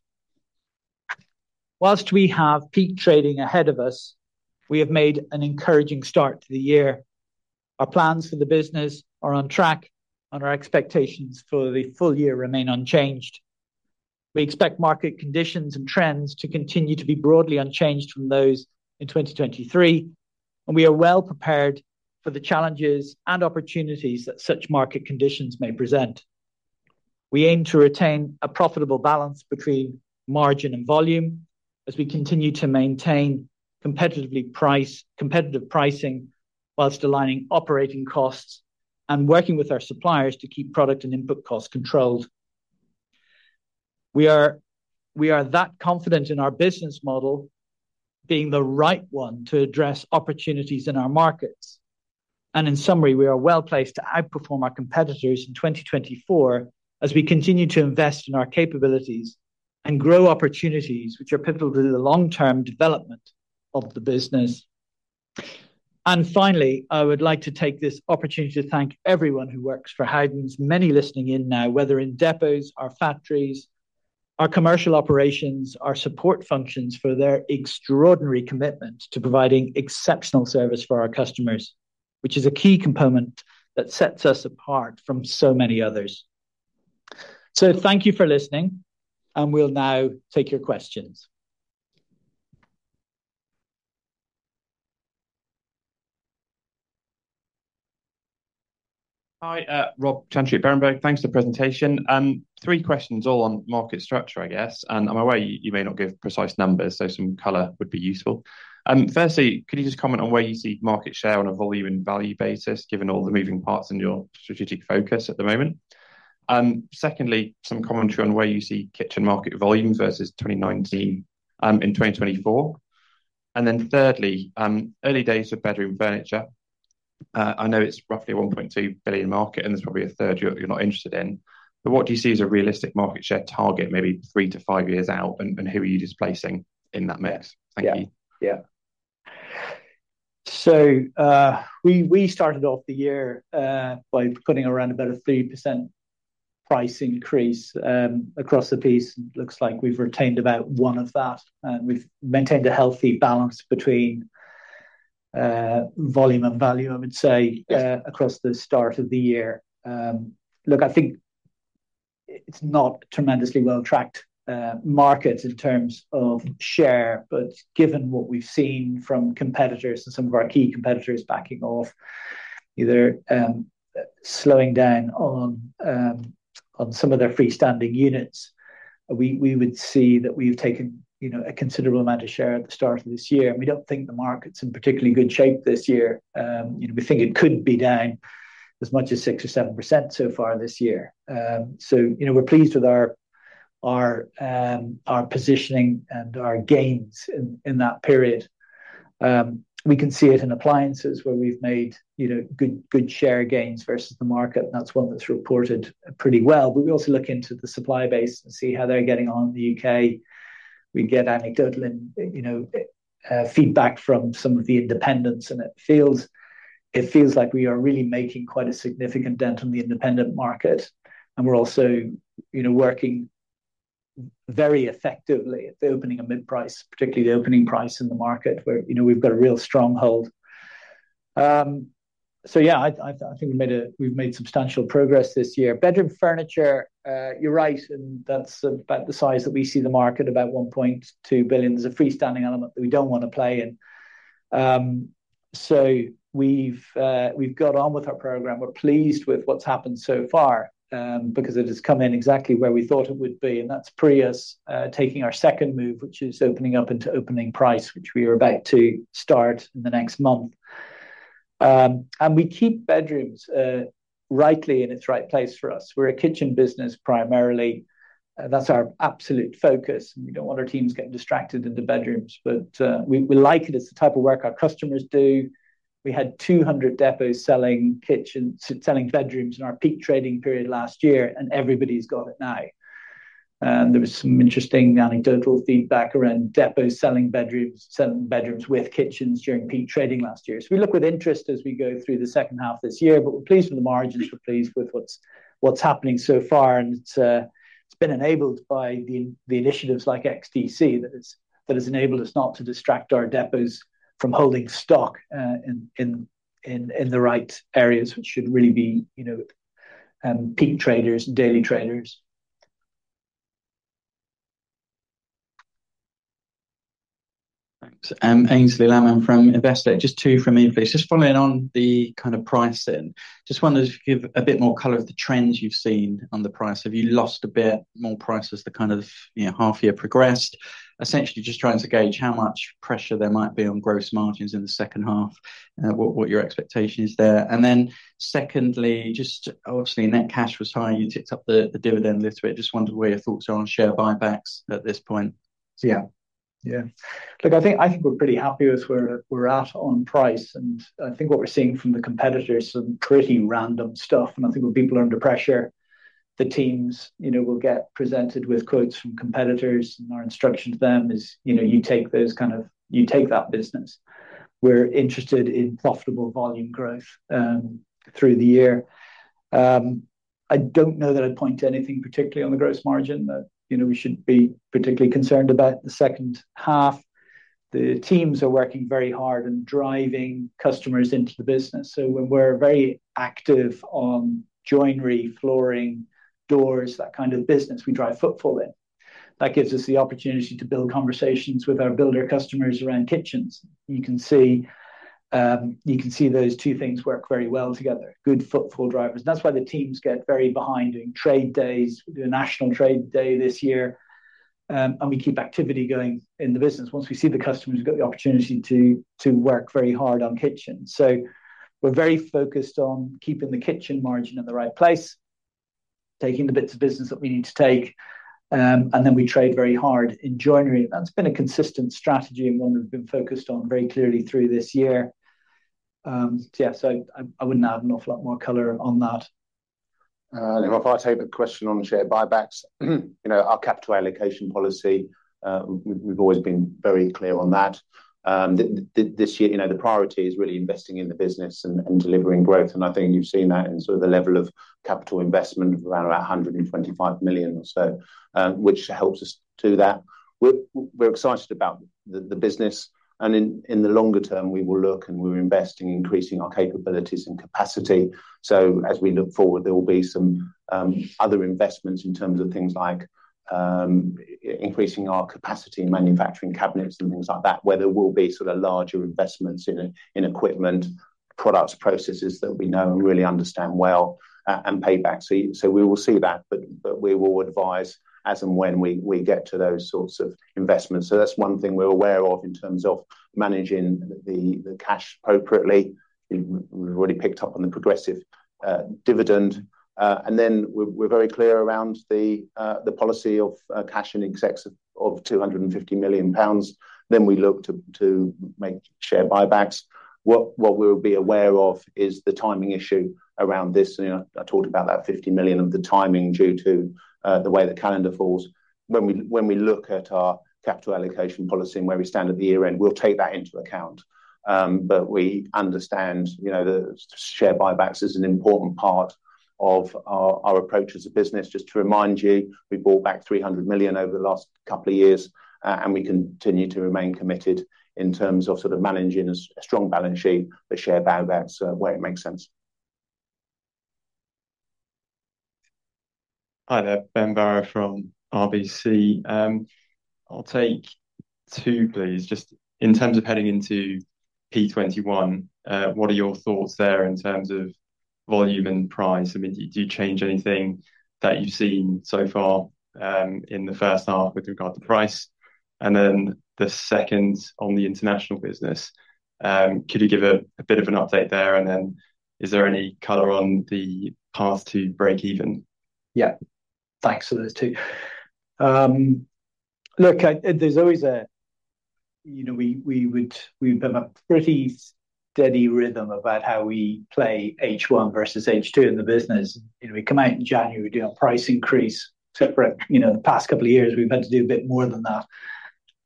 While we have peak trading ahead of us, we have made an encouraging start to the year. Our plans for the business are on track, and our expectations for the full year remain unchanged. We expect market conditions and trends to continue to be broadly unchanged from those in 2023, and we are well prepared for the challenges and opportunities that such market conditions may present. We aim to retain a profitable balance between margin and volume as we continue to maintain competitive pricing, while aligning operating costs and working with our suppliers to keep product and input costs controlled. We are that confident in our business model being the right one to address opportunities in our markets. In summary, we are well-placed to outperform our competitors in 2024 as we continue to invest in our capabilities and grow opportunities which are pivotal to the long-term development of the business. Finally, I would like to take this opportunity to thank everyone who works for Howdens. Many listening in now, whether in depots, our factories, our commercial operations, our support functions, for their extraordinary commitment to providing exceptional service for our customers, which is a key component that sets us apart from so many others. Thank you for listening, and we'll now take your questions. Hi, Rob Chantry at Berenberg. Thanks for the presentation. Three questions all on market structure, I guess. And I'm aware you, you may not give precise numbers, so some color would be useful. Firstly, could you just comment on where you see market share on a volume and value basis, given all the moving parts in your strategic focus at the moment? Secondly, some commentary on where you see kitchen market volume versus 2019, in 2024. And then thirdly, early days of bedroom furniture. I know it's roughly 1.2 billion market, and there's probably a third you're, you're not interested in. But what do you see as a realistic market share target, maybe 3-5 years out, and, and who are you displacing in that mix? Thank you. Yeah. Yeah. So, we started off the year by putting around about a 3% price increase across the piece. Looks like we've retained about one of that, and we've maintained a healthy balance between volume and value, I would say. Yes... across the start of the year. Look, it's not tremendously well-tracked market in terms of share, but given what we've seen from competitors and some of our key competitors backing off, either, slowing down on some of their freestanding units, we would see that we've taken, you know, a considerable amount of share at the start of this year, and we don't think the market's in particularly good shape this year. You know, we think it could be down as much as 6 or 7% so far this year. So, you know, we're pleased with our positioning and our gains in that period. We can see it in appliances where we've made, you know, good share gains versus the market, and that's one that's reported pretty well. But we also look into the supply base and see how they're getting on in the U.K.. We get anecdotal and, you know, feedback from some of the independents, and it feels like we are really making quite a significant dent in the independent market. We're also, you know, working very effectively at the opening of mid-price, particularly the opening price in the market, where, you know, we've got a real stronghold. So yeah, I think we've made substantial progress this year. Bedroom furniture, you're right, and that's about the size that we see the market, about 1.2 billion. There's a freestanding element that we don't want to play in. So we've got on with our program. We're pleased with what's happened so far, because it has come in exactly where we thought it would be, and that's pre us taking our second move, which is opening up into opening price, which we are about to start in the next month. And we keep bedrooms rightly in its right place for us. We're a kitchen business primarily. That's our absolute focus. We don't want our teams getting distracted in the bedrooms, but we like it. It's the type of work our customers do. We had 200 depots selling kitchens, selling bedrooms in our peak trading period last year, and everybody's got it now. And there was some interesting anecdotal feedback around depots selling bedrooms, selling bedrooms with kitchens during peak trading last year. So we look with interest as we go through the second half of this year, but we're pleased with the margins. We're pleased with what's happening so far, and it's been enabled by the initiatives like XDC, that has enabled us not to distract our depots from holding stock in the right areas, which should really be, you know, peak traders, daily traders. Thanks. Aynsley Lammin from Investec. Just two from me, please. Just following on the kind of pricing, just wondered if you could give a bit more color of the trends you've seen on the price. Have you lost a bit more price as the kind of, you know, half year progressed? Essentially, just trying to gauge how much pressure there might be on gross margins in the second half, what, what your expectation is there. And then secondly, just obviously, net cash was high, you ticked up the, the dividend a little bit. Just wondered where your thoughts are on share buybacks at this point. So yeah. Yeah. Look, I think, I think we're pretty happy with where we're at on price, and I think what we're seeing from the competitors is some pretty random stuff. I think when people are under pressure, the teams, you know, will get presented with quotes from competitors, and our instruction to them is, you know, "You take those kind of-- you take that business." We're interested in profitable volume growth through the year. I don't know that I'd point to anything particularly on the gross margin that, you know, we should be particularly concerned about in the second half. The teams are working very hard and driving customers into the business. So when we're very active on joinery, flooring, doors, that kind of business, we drive footfall in. That gives us the opportunity to build conversations with our builder customers around kitchens. You can see, you can see those two things work very well together. Good footfall drivers. That's why the teams get very behind during trade days. We do a national trade day this year, and we keep activity going in the business. Once we see the customers, we've got the opportunity to work very hard on kitchens. So we're very focused on keeping the kitchen margin in the right place, taking the bits of business that we need to take, and then we trade very hard in joinery. That's been a consistent strategy and one we've been focused on very clearly through this year. Yeah, so I wouldn't add an awful lot more color on that. If I take the question on share buybacks, you know, our capital allocation policy, we've always been very clear on that. This year, you know, the priority is really investing in the business and delivering growth. And I think you've seen that in sort of the level of capital investment of around about 125 million or so, which helps us do that. We're excited about the business, and in the longer term, we will look and we're investing in increasing our capabilities and capacity. So as we look forward, there will be some other investments in terms of things like increasing our capacity in manufacturing cabinets and things like that, where there will be sort of larger investments in equipment, products, processes that we know and really understand well, and pay back. So we will see that, but we will advise as and when we get to those sorts of investments. So that's one thing we're aware of in terms of managing the cash appropriately. We've already picked up on the progressive dividend. And then we're very clear around the policy of cash in excess of 250 million pounds. Then we look to make share buybacks. What we'll be aware of is the timing issue around this. You know, I talked about that 50 million of the timing due to the way the calendar falls. When we look at our capital allocation policy and where we stand at the year-end, we'll take that into account. But we understand, you know, the share buybacks is an important part of our approach as a business. Just to remind you, we bought back 300 million over the last couple of years, and we continue to remain committed in terms of sort of managing a strong balance sheet for share buybacks where it makes sense. Hi there, Ben Barrow from RBC. I'll take two, please. Just in terms of heading Period 11, what are your thoughts there in terms of volume and price? I mean, do you change anything that you've seen so far, in the first half with regard to price? And then the second, on the international business, could you give a bit of an update there? And then is there any color on the path to breakeven? Yeah. Thanks for those two. Look, there's always a, you know, we've been a pretty steady rhythm about how we play H1 versus H2 in the business. You know, we come out in January, we do our price increase. Except for, you know, the past couple of years, we've had to do a bit more than that.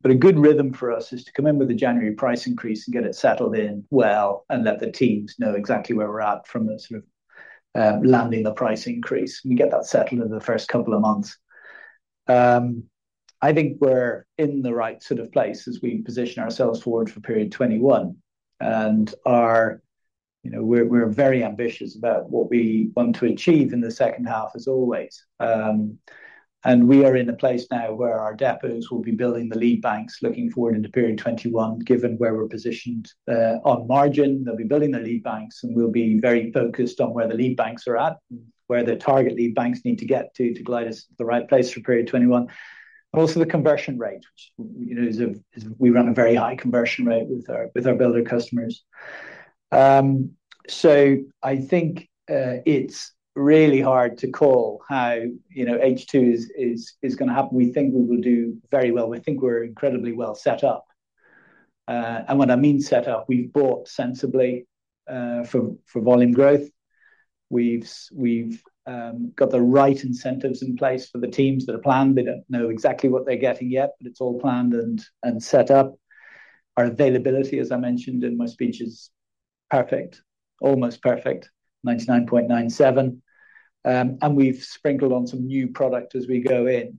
But a good rhythm for us is to come in with a January price increase and get it settled in well, and let the teams know exactly where we're at from a sort of landing the price increase, and get that settled in the first couple of months. I think we're in the right sort of place as we position ourselves forward for Period 11. And, you know, we're very ambitious about what we want to achieve in the second half, as always. And we are in a place now where our depots will be building the lead banks, looking forward into Period 11, given where we're positioned on margin. They'll be building the lead banks, and we'll be very focused on where the lead banks are at, where the target lead banks need to get to, to glide us to the right place for Period 11. Also, the conversion rate, which, you know, is a... We run a very high conversion rate with our builder customers. So I think it's really hard to call how, you know, H2 is gonna happen. We think we will do very well. We think we're incredibly well set up. And what I mean set up, we've bought sensibly for volume growth. We've got the right incentives in place for the teams that are planned. They don't know exactly what they're getting yet, but it's all planned and set up. Our availability, as I mentioned in my speech, is perfect, almost perfect, 99.97%. And we've sprinkled on some new product as we go in.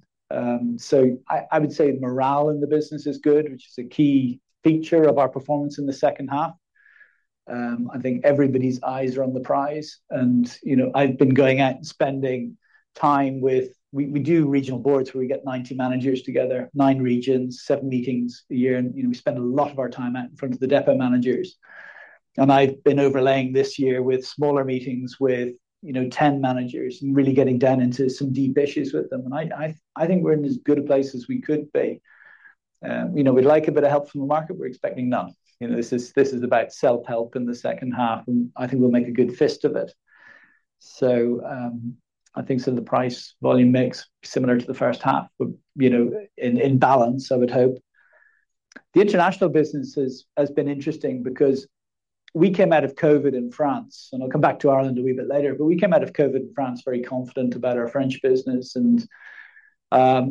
So I would say morale in the business is good, which is a key feature of our performance in the second half. I think everybody's eyes are on the prize, and, you know, I've been going out and spending time with... We do regional boards, where we get 90 managers together, 9 regions, 7 meetings a year, and, you know, we spend a lot of our time out in front of the depot managers. I've been overlaying this year with smaller meetings with, you know, 10 managers, and really getting down into some deep issues with them. I think we're in as good a place as we could be. You know, we'd like a bit of help from the market. We're expecting none. You know, this is about self-help in the second half, and I think we'll make a good fist of it. So, I think some of the price volume mix, similar to the first half, but, you know, in balance, I would hope. The international business has been interesting because we came out of COVID in France, and I'll come back to Ireland a wee bit later, but we came out of COVID in France very confident about our French business, and,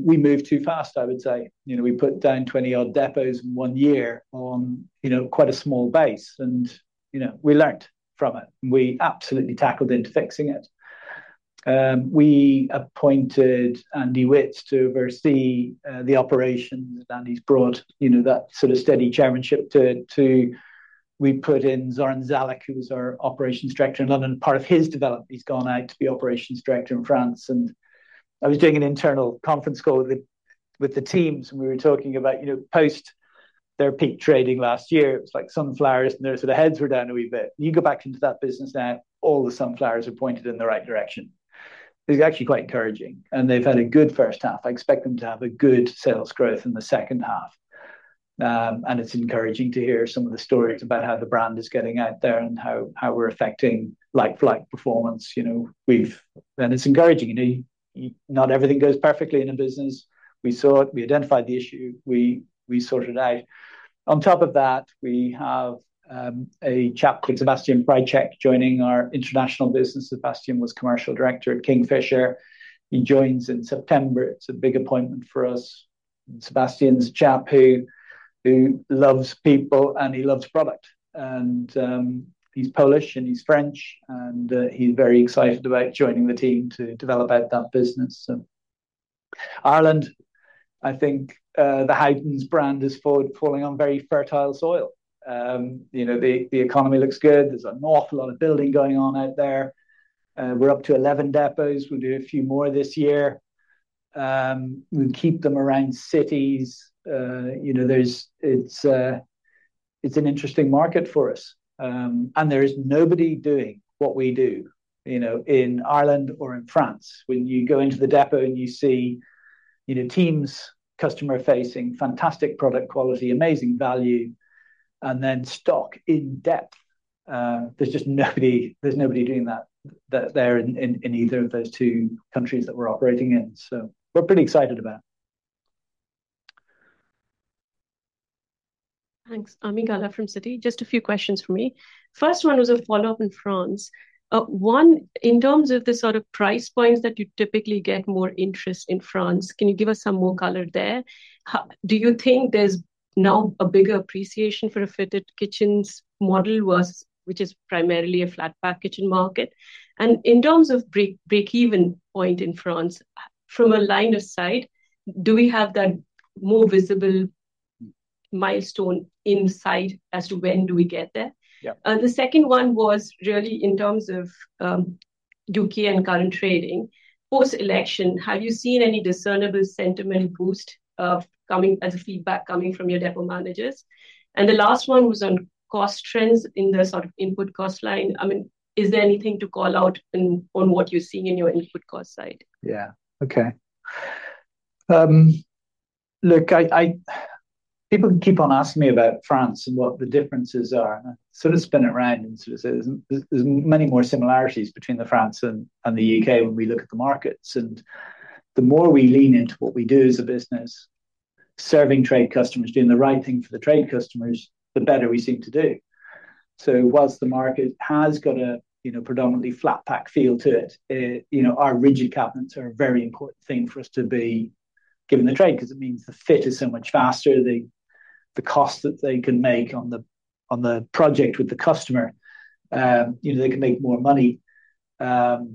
we moved too fast, I would say. You know, we put down 20-odd depots in 1 year on, you know, quite a small base and, you know, we learned from it. We absolutely tackled into fixing it. We appointed Andy Witts to oversee the operations, and he's brought, you know, that sort of steady chairmanship to... We put in Zoran Zalac, who was our operations director in London. Part of his development, he's gone out to be operations director in France. I was doing an internal conference call with the teams, and we were talking about, you know, post their peak trading last year. It was like sunflowers, and their sort of heads were down a wee bit. You go back into that business now, all the sunflowers are pointed in the right direction. It's actually quite encouraging, and they've had a good first half. I expect them to have a good sales growth in the second half. And it's encouraging to hear some of the stories about how the brand is getting out there and how we're affecting like-for-like performance. You know, and it's encouraging. You know, not everything goes perfectly in a business. We saw it, we identified the issue, we sorted it out. On top of that, we have a chap called Sébastien Bryczek joining our international business. Sebastian was commercial director at Kingfisher. He joins in September. It's a big appointment for us. Sebastian's a chap who loves people, and he loves product. And he's Polish, and he's French, and he's very excited about joining the team to develop out that business, so. Ireland, I think, the Howdens brand is forward-falling on very fertile soil. You know, the, the economy looks good. There's an awful lot of building going on out there. We're up to 11 depots. We'll do a few more this year. We'll keep them around cities. You know, there's, it's, it's an interesting market for us. And there is nobody doing what we do, you know, in Ireland or in France. When you go into the depot and you see, you know, teams, customer-facing, fantastic product quality, amazing value, and then stock in depth, there's just nobody, there's nobody doing that, that there in, in, in either of those two countries that we're operating in. So we're pretty excited about it. Thanks. Ami Galla from Citi. Just a few questions for me. First one was a follow-up in France. One, in terms of the sort of price points that you typically get more interest in France, can you give us some more color there? Do you think there's now a bigger appreciation for a fitted kitchens model, which is primarily a flat pack kitchen market? And in terms of breakeven point in France, from a line of sight, do we have that more visible milestone in sight as to when do we get there? Yeah. The second one was really in terms of, U.K. and current trading. Post-election, have you seen any discernible sentiment boost of coming as a feedback coming from your depot managers? And the last one was on cost trends in the sort of input cost line. I mean, is there anything to call out in, on what you're seeing in your input cost side? Yeah. Okay. Look, I, people keep on asking me about France and what the differences are. So let's spin it around and say there's many more similarities between the France and the U.K. when we look at the markets. And the more we lean into what we do as a business, serving trade customers, doing the right thing for the trade customers, the better we seem to do. So whilst the market has got a predominantly flat pack feel to it, you know, our rigid cabinets are a very important thing for us to be given the trade, 'cause it means the fit is so much faster. The cost that they can make on the project with the customer, you know, they can make more money. I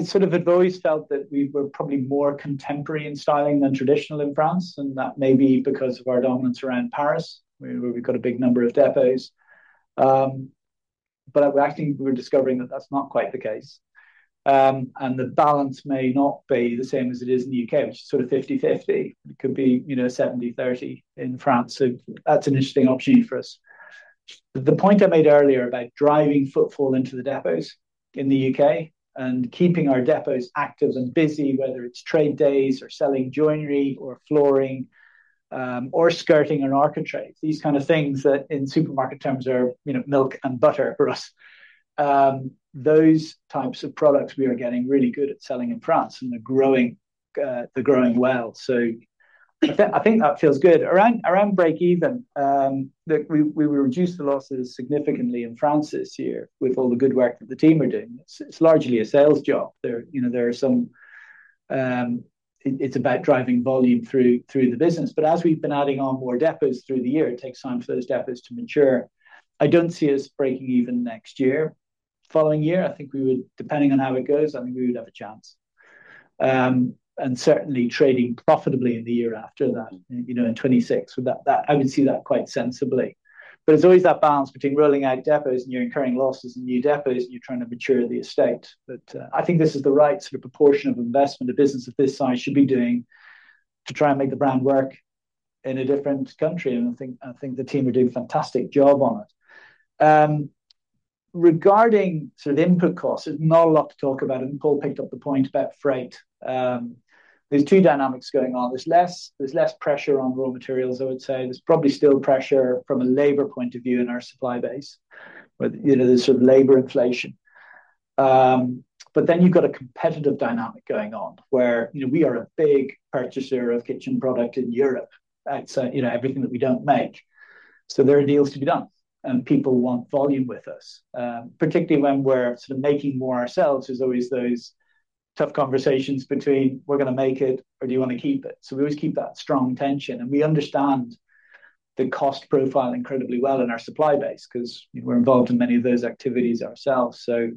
sort of had always felt that we were probably more contemporary in styling than traditional in France, and that may be because of our dominance around Paris, where we've got a big number of depots. But I think we're discovering that that's not quite the case. And the balance may not be the same as it is in the U.K., which is sort of 50/50. It could be, you know, 70/30 in France. So that's an interesting opportunity for us. The point I made earlier about driving footfall into the depots in the U.K. and keeping our depots active and busy, whether it's trade days or selling joinery or flooring, or skirting and architraves, these kind of things that in supermarket terms are, you know, milk and butter for us. Those types of products we are getting really good at selling in France, and they're growing, they're growing well. So I think, I think that feels good. Around, around break even, that we, we will reduce the losses significantly in France this year with all the good work that the team are doing. It's, it's largely a sales job. There, you know, there are some... It, it's about driving volume through, through the business. But as we've been adding on more depots through the year, it takes time for those depots to mature. I don't see us breaking even next year. Following year, I think we would, depending on how it goes, I think we would have a chance. And certainly trading profitably in the year after that, you know, in 2026, would that, that-- I would see that quite sensibly. But there's always that balance between rolling out depots, and you're incurring losses in new depots, and you're trying to mature the estate. But I think this is the right sort of proportion of investment a business of this size should be doing to try and make the brand work in a different country, and I think, I think the team are doing a fantastic job on it. Regarding sort of input costs, there's not a lot to talk about, and Paul picked up the point about freight. There's two dynamics going on. There's less pressure on raw materials, I would say. There's probably still pressure from a labor point of view in our supply base, but, you know, there's sort of labor inflation. But then you've got a competitive dynamic going on, where, you know, we are a big purchaser of kitchen product in Europe. That's, you know, everything that we don't make. So there are deals to be done, and people want volume with us. Particularly when we're sort of making more ourselves, there's always those tough conversations between we're gonna make it, or do you want to keep it? So we always keep that strong tension, and we understand the cost profile incredibly well in our supply base, 'cause we're involved in many of those activities ourselves. So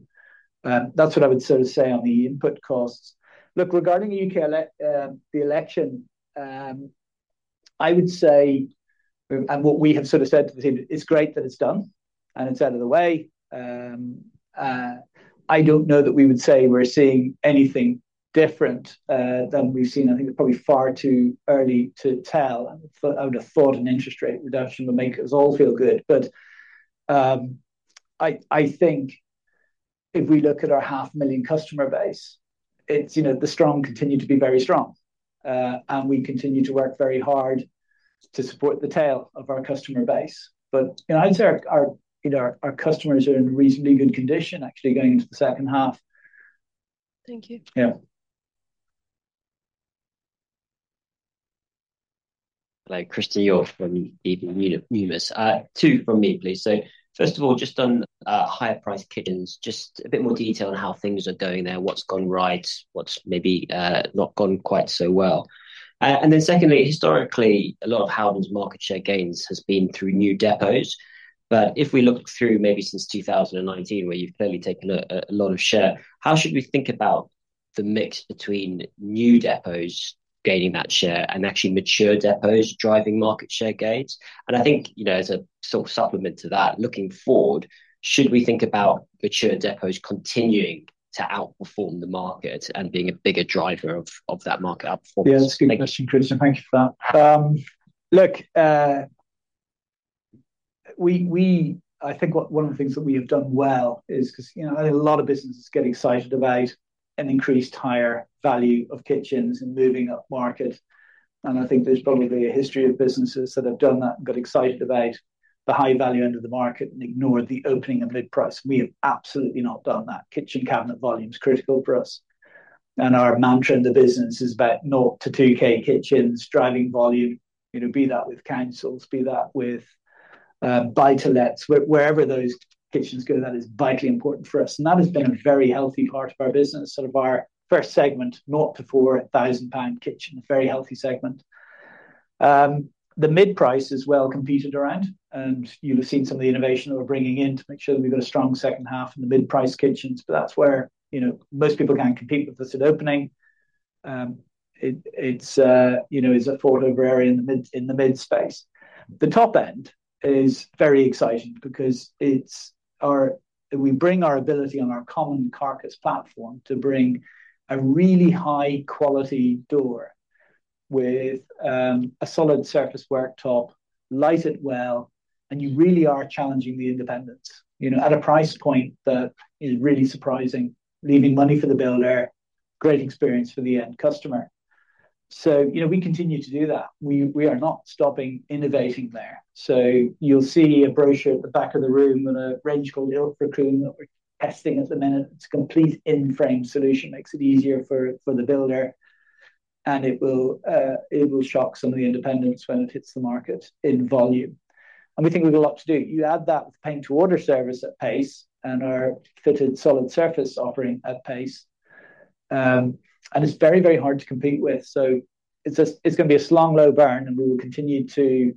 that's what I would sort of say on the input costs. Look, regarding U.K. election, I would say, and what we have sort of said to the team, it's great that it's done and it's out of the way. I don't know that we would say we're seeing anything different than we've seen. I think it's probably far too early to tell. I would have thought an interest rate reduction would make us all feel good. But I think if we look at our 500,000 customer base, it's, you know, the strong continue to be very strong. And we continue to work very hard to support the tail of our customer base. But, you know, I'd say our customers are in reasonably good condition, actually, going into the second half. Thank you. Yeah. Hello, Christen Hjorth from DB Numis. Two from me, please. So first of all, just on higher priced kitchens, just a bit more detail on how things are going there. What's gone right? What's maybe not gone quite so well? And then secondly, historically, a lot of Howdens' market share gains has been through new depots. But if we look through maybe since 2019, where you've clearly taken a lot of share, how should we think about the mix between new depots gaining that share and actually mature depots driving market share gains? And I think, you know, as a sort of supplement to that, looking forward, should we think about mature depots continuing to outperform the market and being a bigger driver of that market outperformance? Yeah, that's a good question, Christen. Thank you for that. Look, we—I think one of the things that we have done well is, 'cause, you know, I think a lot of businesses get excited about an increased higher value of kitchens and moving upmarket. And I think there's probably a history of businesses that have done that and got excited about the high value end of the market and ignored the opening of mid-price. We have absolutely not done that. Kitchen cabinet volume is critical for us, and our mantra in the business is about nought to two K kitchens, driving volume. You know, be that with councils, be that with buy-to-lets, wherever those kitchens go, that is vitally important for us. That has been a very healthy part of our business, sort of our first segment, 0 to 4,000 pound kitchen. A very healthy segment. The mid-price is well competed around, and you've seen some of the innovation that we're bringing in to make sure that we've got a strong second half in the mid-price kitchens. But that's where, you know, most people can't compete with us at opening. You know, it's a fought over area in the mid space. The top end is very exciting because it's our we bring our ability on our common carcass platform to bring a really high quality door with a Solid Surface worktop, light it well, and you really are challenging the independents, you know, at a price point that is really surprising, leaving money for the builder, great experience for the end customer. So, you know, we continue to do that. We are not stopping innovating there. So you'll see a brochure at the back of the room and a range called the Hockley that we're testing at the minute. It's a complete in-frame solution, makes it easier for the builder, and it will shock some of the independents when it hits the market in volume. And we think we've a lot to do. You add that with Paint to Order service at pace and our fitted Solid Surface offering at pace, and it's very, very hard to compete with. So it's a, it's gonna be a slow, low burn, and we will continue to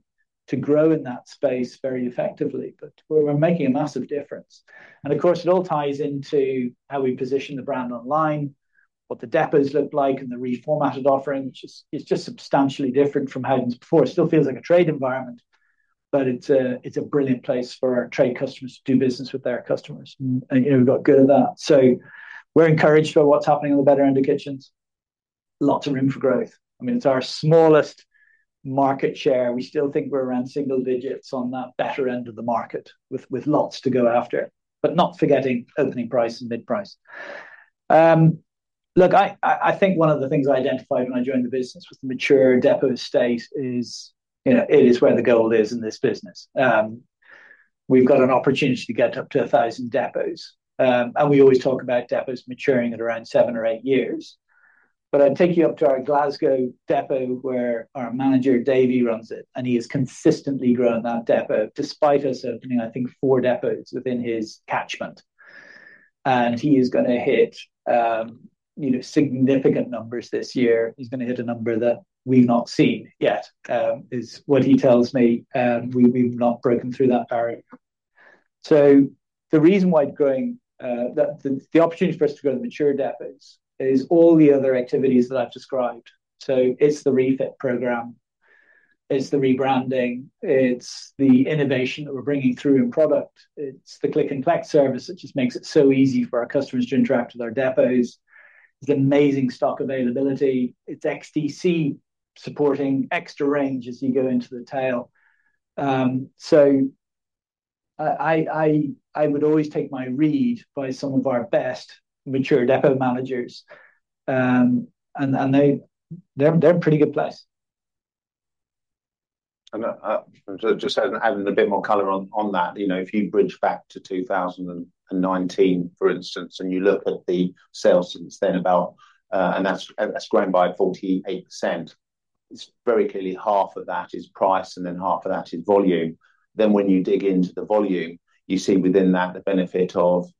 grow in that space very effectively. But we're making a massive difference. And of course, it all ties into how we position the brand online, what the depots look like, and the reformatted offering, which is, it's just substantially different from how it was before. It still feels like a trade environment, but it's a, it's a brilliant place for our trade customers to do business with their customers. And, you know, we've got good at that. So we're encouraged by what's happening on the better end of kitchens. Lots of room for growth. I mean, it's our smallest market share. We still think we're around single digits on that better end of the market, with lots to go after, but not forgetting opening price and mid-price. Look, I think one of the things I identified when I joined the business was the mature depot estate is, you know, it is where the gold is in this business. We've got an opportunity to get up to 1,000 depots. And we always talk about depots maturing at around 7 or 8 years. But I'd take you up to our Glasgow depot, where our manager, Davey, runs it, and he has consistently grown that depot, despite us opening, I think, 4 depots within his catchment. And he is gonna hit, you know, significant numbers this year. He's gonna hit a number that we've not seen yet, is what he tells me. We've not broken through that barrier. So the reason why it's growing, the opportunity for us to grow the mature depots is all the other activities that I've described. So it's the refit program, it's the rebranding, it's the innovation that we're bringing through in product, it's the Click & Collect service that just makes it so easy for our customers to interact with our depots. It's amazing stock availability, it's XDC supporting extra range as you go into the tail. So I would always take my read by some of our best mature depot managers, and they're in a pretty good place. Just adding a bit more color on that. You know, if you bridge back to 2019, for instance, and you look at the sales since then, about, and that's grown by 48%. It's very clearly half of that is price, and then half of that is volume. Then when you dig into the volume, you see within that the benefit of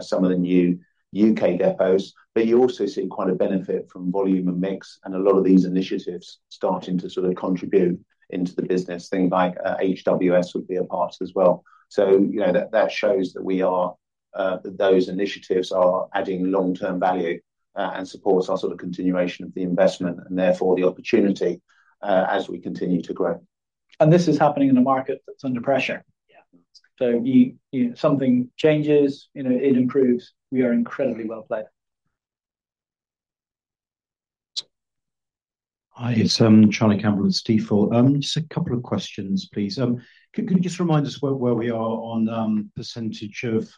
some of the new U.K. depots, but you also see quite a benefit from volume and mix, and a lot of these initiatives starting to sort of contribute into the business. Things like HWS would be a part as well. So, you know, that shows that we are, that those initiatives are adding long-term value, and supports our sort of continuation of the investment, and therefore, the opportunity, as we continue to grow. This is happening in a market that's under pressure. Yeah. You, you know, something changes, you know, it improves. We are incredibly well-placed. Hi, it's Charlie Campbell with Stifel. Just a couple of questions, please. Can you just remind us where we are on percentage of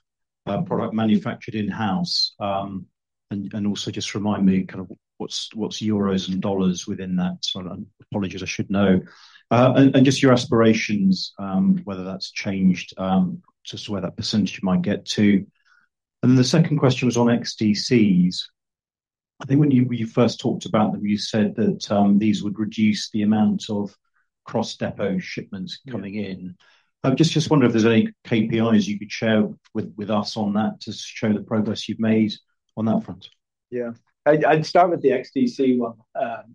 product manufactured in-house? And also just remind me kind of what's euros and dollars within that? So apologies, I should know. And just your aspirations, whether that's changed, just where that percentage might get to. And then the second question was on XDCs. I think when you first talked about them, you said that these would reduce the amount of cross-depot shipments coming in. Yeah. Just wonder if there's any KPIs you could share with us on that to show the progress you've made on that front? Yeah. I'd, I'd start with the XDC one,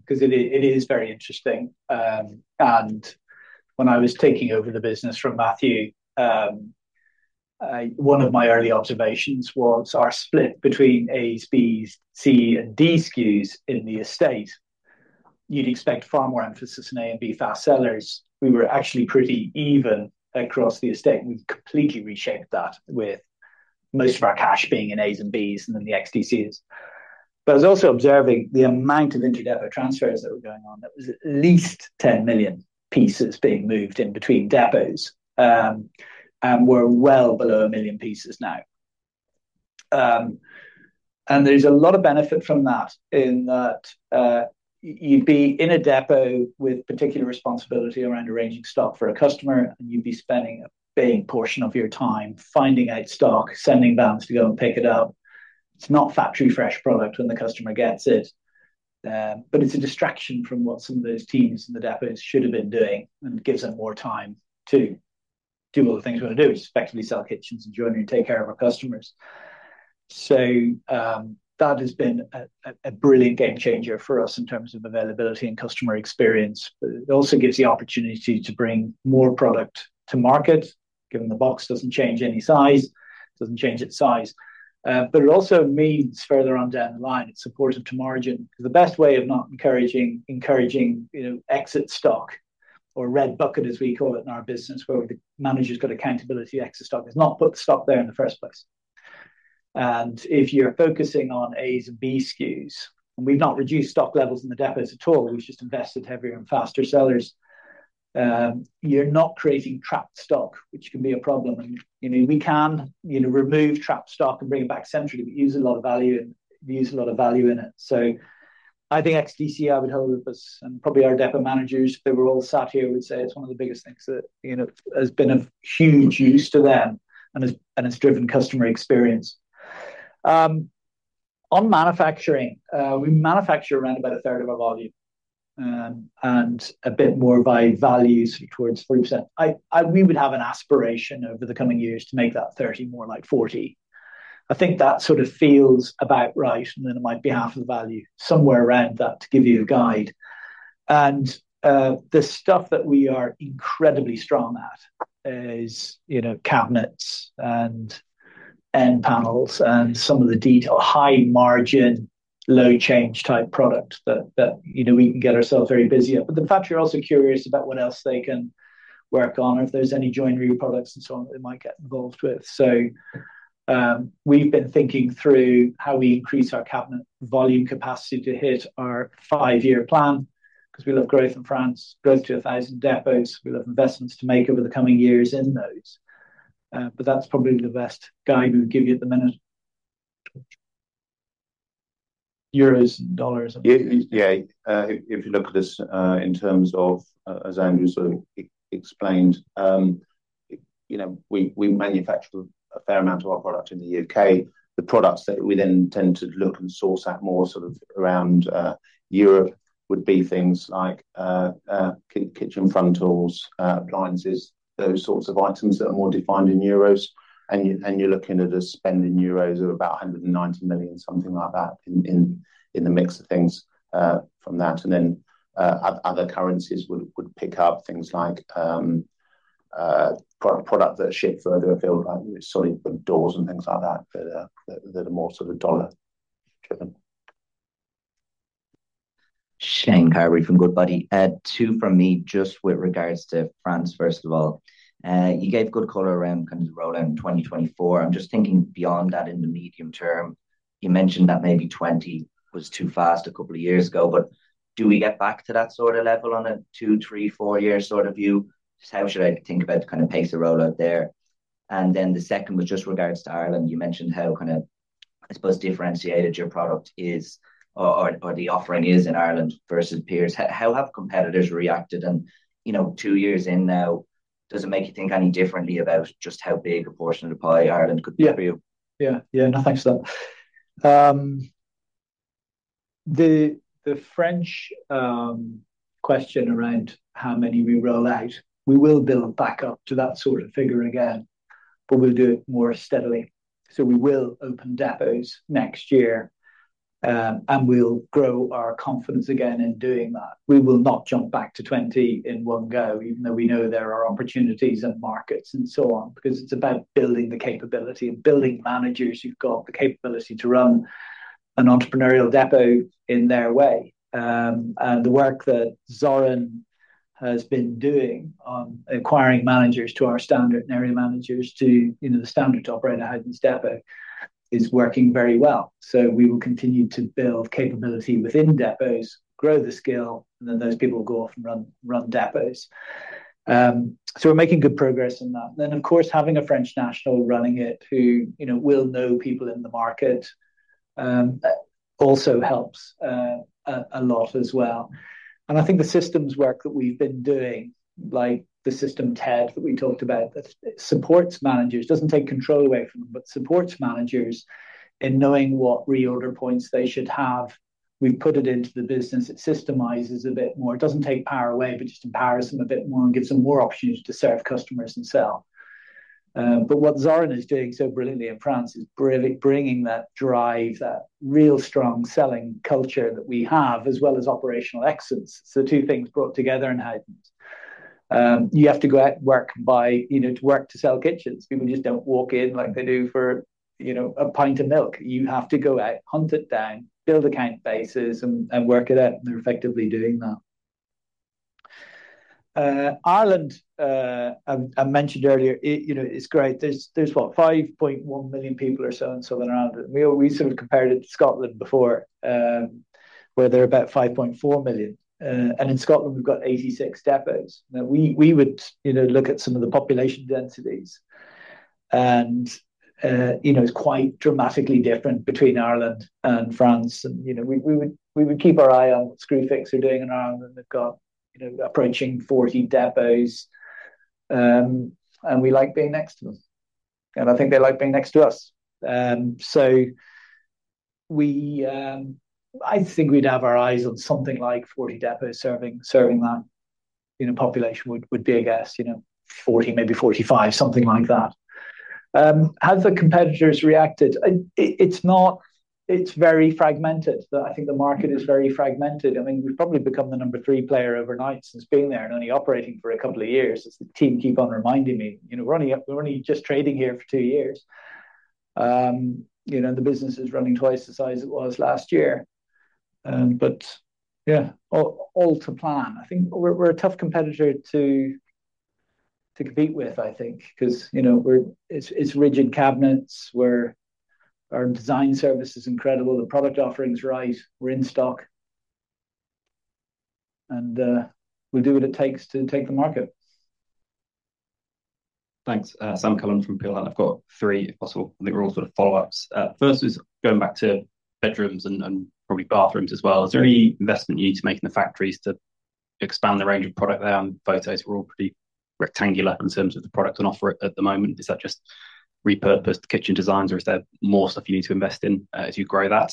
'cause it is, it is very interesting. And when I was taking over the business from Matthew, one of my early observations was our split between A's, B's, C and D SKUs in the estate. You'd expect far more emphasis on A and B fast sellers. We were actually pretty even across the estate. We've completely reshaped that, with most of our cash being in As and Bs and then the XDCs. But I was also observing the amount of inter-depot transfers that were going on. That was at least 10 million pieces being moved in between depots. And we're well below 1 million pieces now. And there's a lot of benefit from that, in that, you'd be in a depot with particular responsibility around arranging stock for a customer, and you'd be spending a big portion of your time finding out stock, sending vans to go and pick it up. It's not factory-fresh product when the customer gets it. But it's a distraction from what some of those teams in the depots should have been doing and gives them more time to do all the things we wanna do, respectively, sell kitchens and joinery, and take care of our customers. So, that has been a brilliant game changer for us in terms of availability and customer experience, but it also gives the opportunity to bring more product to market, given the box doesn't change any size, doesn't change its size. But it also means further on down the line, it's supportive to margin, 'cause the best way of not encouraging, you know, exit stock or red bucket, as we call it in our business, where the manager's got accountability, exit stock, is not put stock there in the first place. And if you're focusing on As and B SKUs, and we've not reduced stock levels in the depots at all, we've just invested heavier in faster sellers, you're not creating trapped stock, which can be a problem. And, you know, we can, you know, remove trapped stock and bring it back centrally, we use a lot of value in it. So I think XDC would help us and probably our depot managers, if they were all sat here, would say it's one of the biggest things that, you know, has been of huge use to them and has, and it's driven customer experience. On manufacturing, we manufacture around about a third of our volume, and a bit more by value, so towards 40%. We would have an aspiration over the coming years to make that 30% more like 40%. I think that sort of feels about right, and then it might be half of the value, somewhere around that, to give you a guide. And, the stuff that we are incredibly strong at is, you know, cabinets and end panels and some of the detail, high margin, low change type product that, that, you know, we can get ourselves very busy at. But the factory are also curious about what else they can work on or if there's any joinery products and so on, that they might get involved with. So, we've been thinking through how we increase our cabinet volume capacity to hit our 5-year plan, 'cause we love growth in France, growth to 1,000 depots. We have investments to make over the coming years in those. But that's probably the best guide we would give you at the minute. Euros and dollars. Yeah, yeah. If you look at this, in terms of, as Andrew sort of explained, you know, we, we manufacture a fair amount of our product in the U.K. The products that we then tend to look and source at more sort of around Europe, would be things like, kitchen frontals, appliances, those sorts of items that are more defined in euros. And you, and you're looking at a spend in euros of about 190 million, something like that, in, in, in the mix of things, from that. And then, other currencies would, would pick up things like, product that's shipped further afield, like sorry, doors and things like that, that, that are more sort of dollar driven. Shane Carberry from Goodbody. Two from me, just with regards to France, first of all. You gave good color around kind of the rollout in 2024. I'm just thinking beyond that in the medium term, you mentioned that maybe 20 was too fast a couple of years ago, but do we get back to that sort of level on a 2, 3, 4-year sort of view? Just how should I think about the kind of pace of rollout there? And then the second was just regards to Ireland. You mentioned how kind of, I suppose, differentiated your product is or the offering is in Ireland versus peers. How have competitors reacted? And, you know, 2 years in now, does it make you think any differently about just how big a portion of the pie Ireland could be for you? Yeah, yeah, yeah. No, thanks for that. The French question around how many we roll out, we will build back up to that sort of figure again, but we'll do it more steadily. So we will open depots next year, and we'll grow our confidence again in doing that. We will not jump back to 20 in one go, even though we know there are opportunities and markets, and so on, because it's about building the capability and building managers who've got the capability to run an entrepreneurial depot in their way. And the work that Zoran has been doing on acquiring managers to our standard and area managers to, you know, the standard to operate a Howdens depot, is working very well. So we will continue to build capability within depots, grow the skill, and then those people will go off and run depots. So we're making good progress on that. Then, of course, having a French national running it, who, you know, will know people in the market, that also helps a lot as well. And I think the systems work that we've been doing, like the system TED, that we talked about, that supports managers, doesn't take control away from them, but supports managers in knowing what reorder points they should have. We've put it into the business. It systemizes a bit more. It doesn't take power away, but just empowers them a bit more and gives them more opportunities to serve customers and sell. But what Zoran is doing so brilliantly in France is bringing that drive, that real strong selling culture that we have, as well as operational excellence. So two things brought together in Howdens. You have to go out, work by, you know, to work to sell kitchens. People just don't walk in like they do for, you know, a pint of milk. You have to go out, hunt it down, build account bases, and work it out, and they're effectively doing that. Ireland, I mentioned earlier, it, you know, it's great. There's what? 5.1 million people or so in southern Ireland. We sort of compared it to Scotland before, where there are about 5.4 million. And in Scotland, we've got 86 depots. Now, we would, you know, look at some of the population densities and, you know, it's quite dramatically different between Ireland and France. And, you know, we would keep our eye on what Screwfix are doing in Ireland, and they've got, you know, approaching 40 depots. And we like being next to them, and I think they like being next to us. I think we'd have our eyes on something like 40 depots serving that, you know, population would be a guess. You know, 40, maybe 45, something like that. How have the competitors reacted? It's not-- It's very fragmented. I think the market is very fragmented. I mean, we've probably become the number 3 player overnight since being there and only operating for a couple of years, as the team keep on reminding me. You know, we're only just trading here for 2 years. You know, and the business is running twice the size it was last year. But yeah, all to plan. I think we're a tough competitor to compete with, I think, 'cause, you know, we're... it's rigid cabinets, we're... Our design service is incredible, the product offering's right, we're in stock. And we'll do what it takes to take the market. Thanks. Sam Cullen from Peel Hunt. I've got three, if possible. I think they're all sort of follow-ups. First is going back to bedrooms and, and probably bathrooms as well. Is there any investment you need to make in the factories to expand the range of product there? And the photos were all pretty rectangular in terms of the product on offer at the moment. Is that just repurposed kitchen designs, or is there more stuff you need to invest in, as you grow that?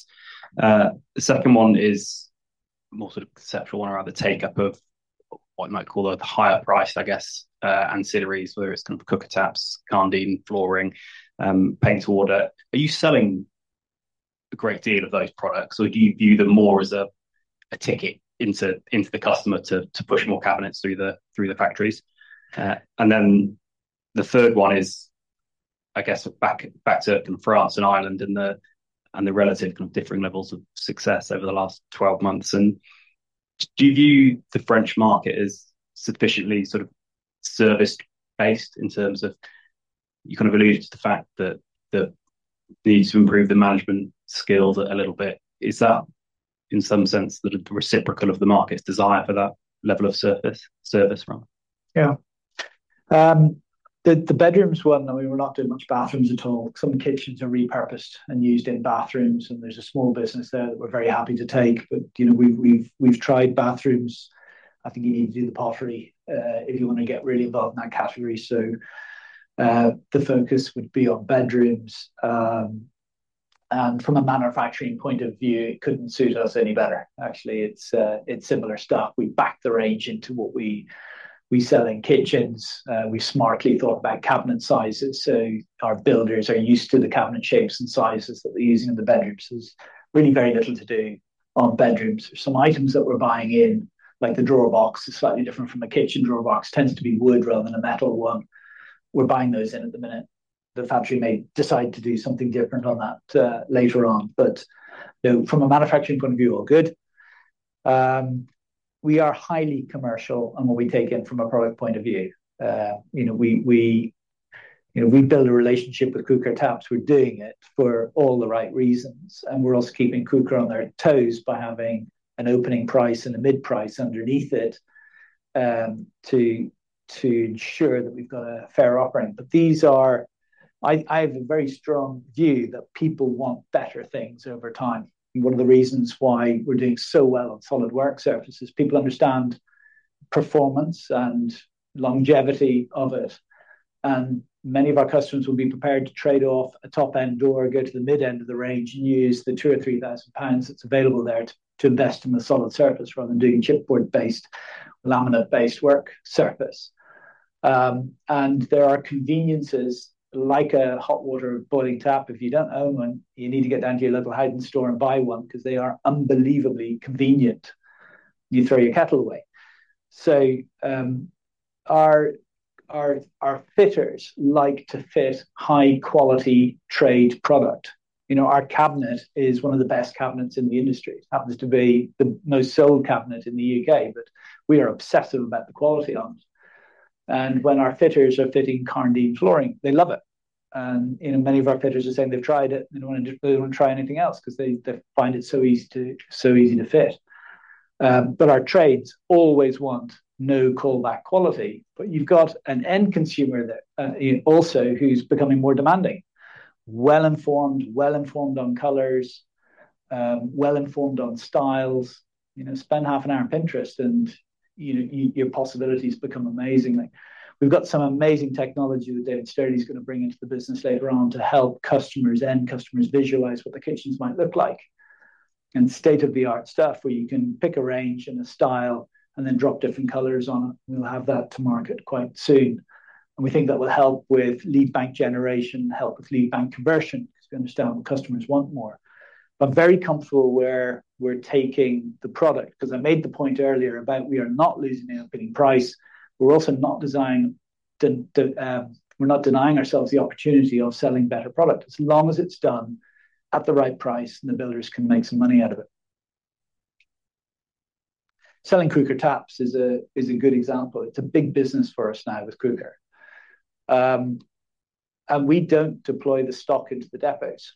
The second one is more sort of conceptual one, around the take-up of what you might call the higher price, I guess, ancillaries, whether it's kind of Quooker taps, Karndean flooring, Paint to Order. Are you selling a great deal of those products, or do you view them more as a ticket into the customer to push more cabinets through the factories? And then the third one is, I guess, back to kind of France and Ireland and the relative kind of differing levels of success over the last 12 months. And do you view the French market as sufficiently sort of service-based in terms of... You kind of alluded to the fact that they need to improve the management skills a little bit. Is that, in some sense, the reciprocal of the market's desire for that level of service from? Yeah. The bedrooms one, I mean, we're not doing much bathrooms at all. Some kitchens are repurposed and used in bathrooms, and there's a small business there that we're very happy to take. But, you know, we've tried bathrooms. I think you need to do the pottery, if you want to get really involved in that category. So, the focus would be on bedrooms. And from a manufacturing point of view, it couldn't suit us any better. Actually, it's similar stuff. We backed the range into what we sell in kitchens. We smartly thought about cabinet sizes, so our builders are used to the cabinet shapes and sizes that they're using in the bedrooms. There's really very little to do on bedrooms. There's some items that we're buying in, like the drawer box is slightly different from a kitchen drawer box. Tends to be wood rather than a metal one. We're buying those in at the minute. The factory may decide to do something different on that later on. But, you know, from a manufacturing point of view, all good. We are highly commercial on what we take in from a product point of view. You know, we build a relationship with Quooker taps. We're doing it for all the right reasons, and we're also keeping Quooker on their toes by having an opening price and a mid-price underneath it to ensure that we've got a fair offering. But these are. I have a very strong view that people want better things over time. One of the reasons why we're doing so well on solid work surfaces, people understand performance and longevity of it. And many of our customers will be prepared to trade off a top-end door and go to the mid-end of the range and use the 2,000 or 3,000 pounds that's available there to invest in a Solid Surface rather than doing chipboard-based, laminate-based work surface. And there are conveniences, like a hot water boiling tap. If you don't own one, you need to get down to your local Howdens store and buy one, because they are unbelievably convenient. You throw your kettle away. So, our fitters like to fit high-quality trade product. You know, our cabinet is one of the best cabinets in the industry. It happens to be the most sold cabinet in the U.K., but we are obsessive about the quality of it. When our fitters are fitting Karndean flooring, they love it. You know, many of our fitters are saying they've tried it, and they don't want to try anything else, 'cause they find it so easy to fit. But our trades always want no-callback quality. But you've got an end consumer that, you know, also who's becoming more demanding. Well-informed, well-informed on colors, well-informed on styles. You know, spend half an hour on Pinterest, and, you know, your possibilities become amazing. Like, we've got some amazing technology that David Sterry's gonna bring into the business later on to help customers, end customers, visualize what the kitchens might look like. State-of-the-art stuff, where you can pick a range and a style and then drop different colors on it. We'll have that to market quite soon. We think that will help with lead generation, help with lead conversion, because we understand what the customers want more. But very comfortable where we're taking the product, 'cause I made the point earlier about we are not losing the opening price. We're also not denying ourselves the opportunity of selling better product, as long as it's done at the right price and the builders can make some money out of it. Selling Quooker taps is a good example. It's a big business for us now with Quooker. And we don't deploy the stock into the depots.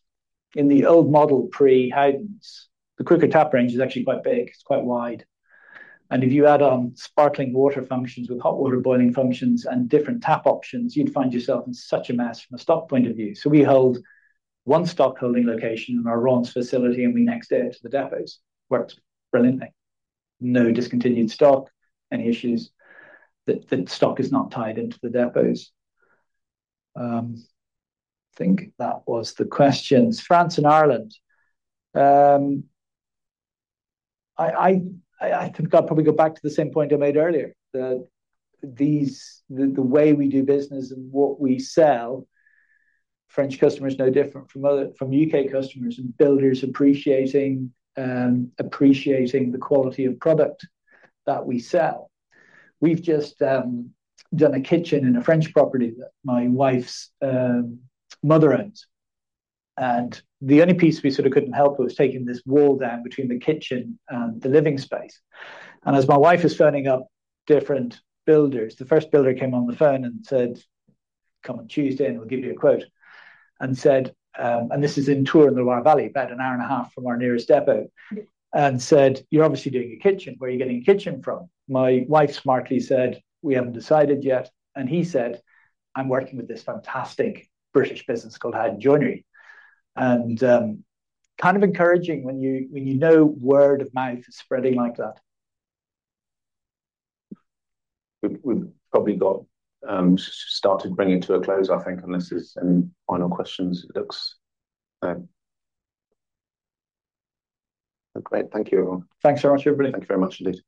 In the old model, pre-Howdens, the Quooker Tap range is actually quite big, it's quite wide. And if you add on sparkling water functions with hot water boiling functions and different tap options, you'd find yourself in such a mess from a stock point of view. So we hold one stock-holding location in our Raunds facility, and we next-day it to the depots. Works brilliantly. No discontinued stock, any issues, the stock is not tied into the depots. I think that was the questions. France and Ireland. I think I'll probably go back to the same point I made earlier, that these. The way we do business and what we sell, French customer is no different from other, from U.K. customers and builders appreciating the quality of product that we sell. We've just done a kitchen in a French property that my wife's mother owns. The only piece we sort of couldn't help with was taking this wall down between the kitchen and the living space. As my wife was phoning up different builders, the first builder came on the phone and said, "Come on Tuesday, and we'll give you a quote." He said, "This is in Tours, in the Loire Valley, about an hour and a half from our nearest depot." He said, "You're obviously doing a kitchen. Where are you getting your kitchen from?" My wife smartly said, "We haven't decided yet." He said, "I'm working with this fantastic British business called Howden Joinery." It's kind of encouraging when you know word of mouth is spreading like that. We've probably got started bringing to a close, I think, unless there's any final questions. It looks great. Thank you. Thanks very much, everybody. Thank you very much indeed.